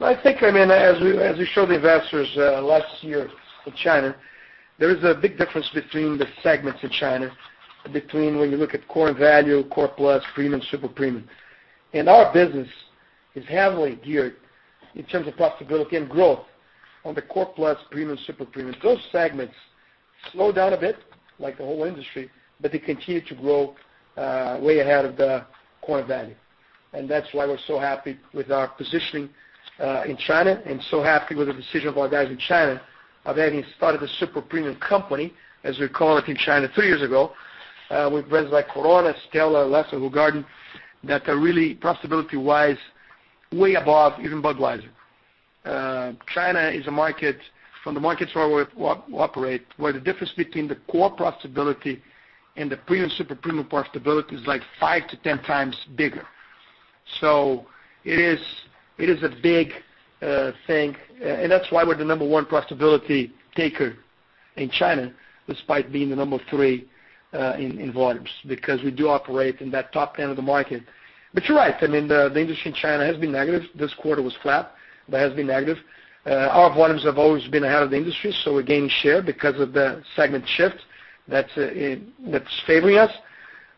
I think, as we showed the investors last year with China, there is a big difference between the segments of China, between when you look at core and value, core plus, premium, super premium. Our business is heavily geared in terms of profitability and growth on the core plus, premium, super premium. Those segments slowed down a bit like the whole industry, but they continue to grow way ahead of the core and value. That's why we're so happy with our positioning in China and so happy with the decision of our guys in China of having started a super premium company, as we call it in China three years ago, with brands like Corona, Stella, Leffe, Hoegaarden, that are really profitability-wise, way above even Budweiser. China is a market from the markets where we operate, where the difference between the core profitability and the premium, super premium profitability is like five to 10 times bigger. It is a big thing, that's why we're the number one profitability taker in China, despite being the number three in volumes, because we do operate in that top end of the market. You're right. The industry in China has been negative. This quarter was flat, but has been negative. Our volumes have always been ahead of the industry, we gained share because of the segment shift that's favoring us.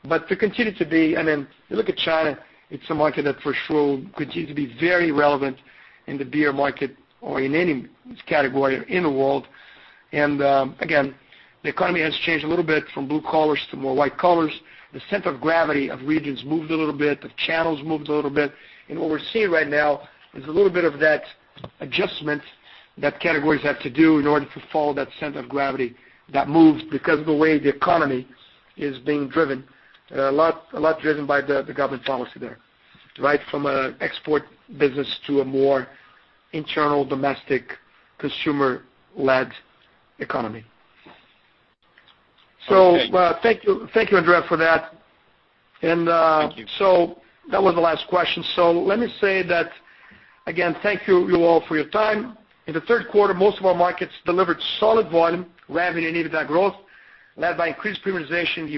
You look at China, it's a market that for sure could continue to be very relevant in the beer market or in any category in the world. Again, the economy has changed a little bit from blue collars to more white collars. The center of gravity of regions moved a little bit. The channels moved a little bit. What we're seeing right now is a little bit of that adjustment that categories have to do in order to follow that center of gravity that moves because of the way the economy is being driven, a lot driven by the government policy there, right? From an export business to a more internal domestic consumer-led economy. Thank you, Andrea, for that. Thank you. That was the last question. Let me say that again, thank you all for your time. In the third quarter, most of our markets delivered solid volume, revenue, and EBITDA growth, led by increased premiumization in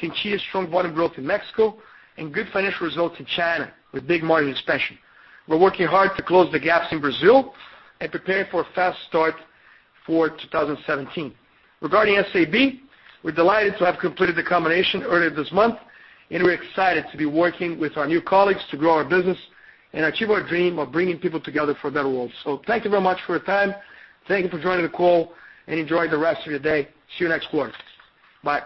the U.S., continued strong volume growth in Mexico, and good financial results in China with big margin expansion. We're working hard to close the gaps in Brazil and preparing for a fast start for 2017. Regarding SABMiller, we're delighted to have completed the combination earlier this month, and we're excited to be working with our new colleagues to grow our business and achieve our dream of bringing people together for a better world. Thank you very much for your time. Thank you for joining the call, and enjoy the rest of your day. See you next quarter. Bye.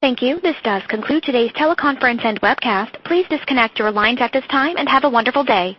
Thank you. This does conclude today's teleconference and webcast. Please disconnect your lines at this time and have a wonderful day.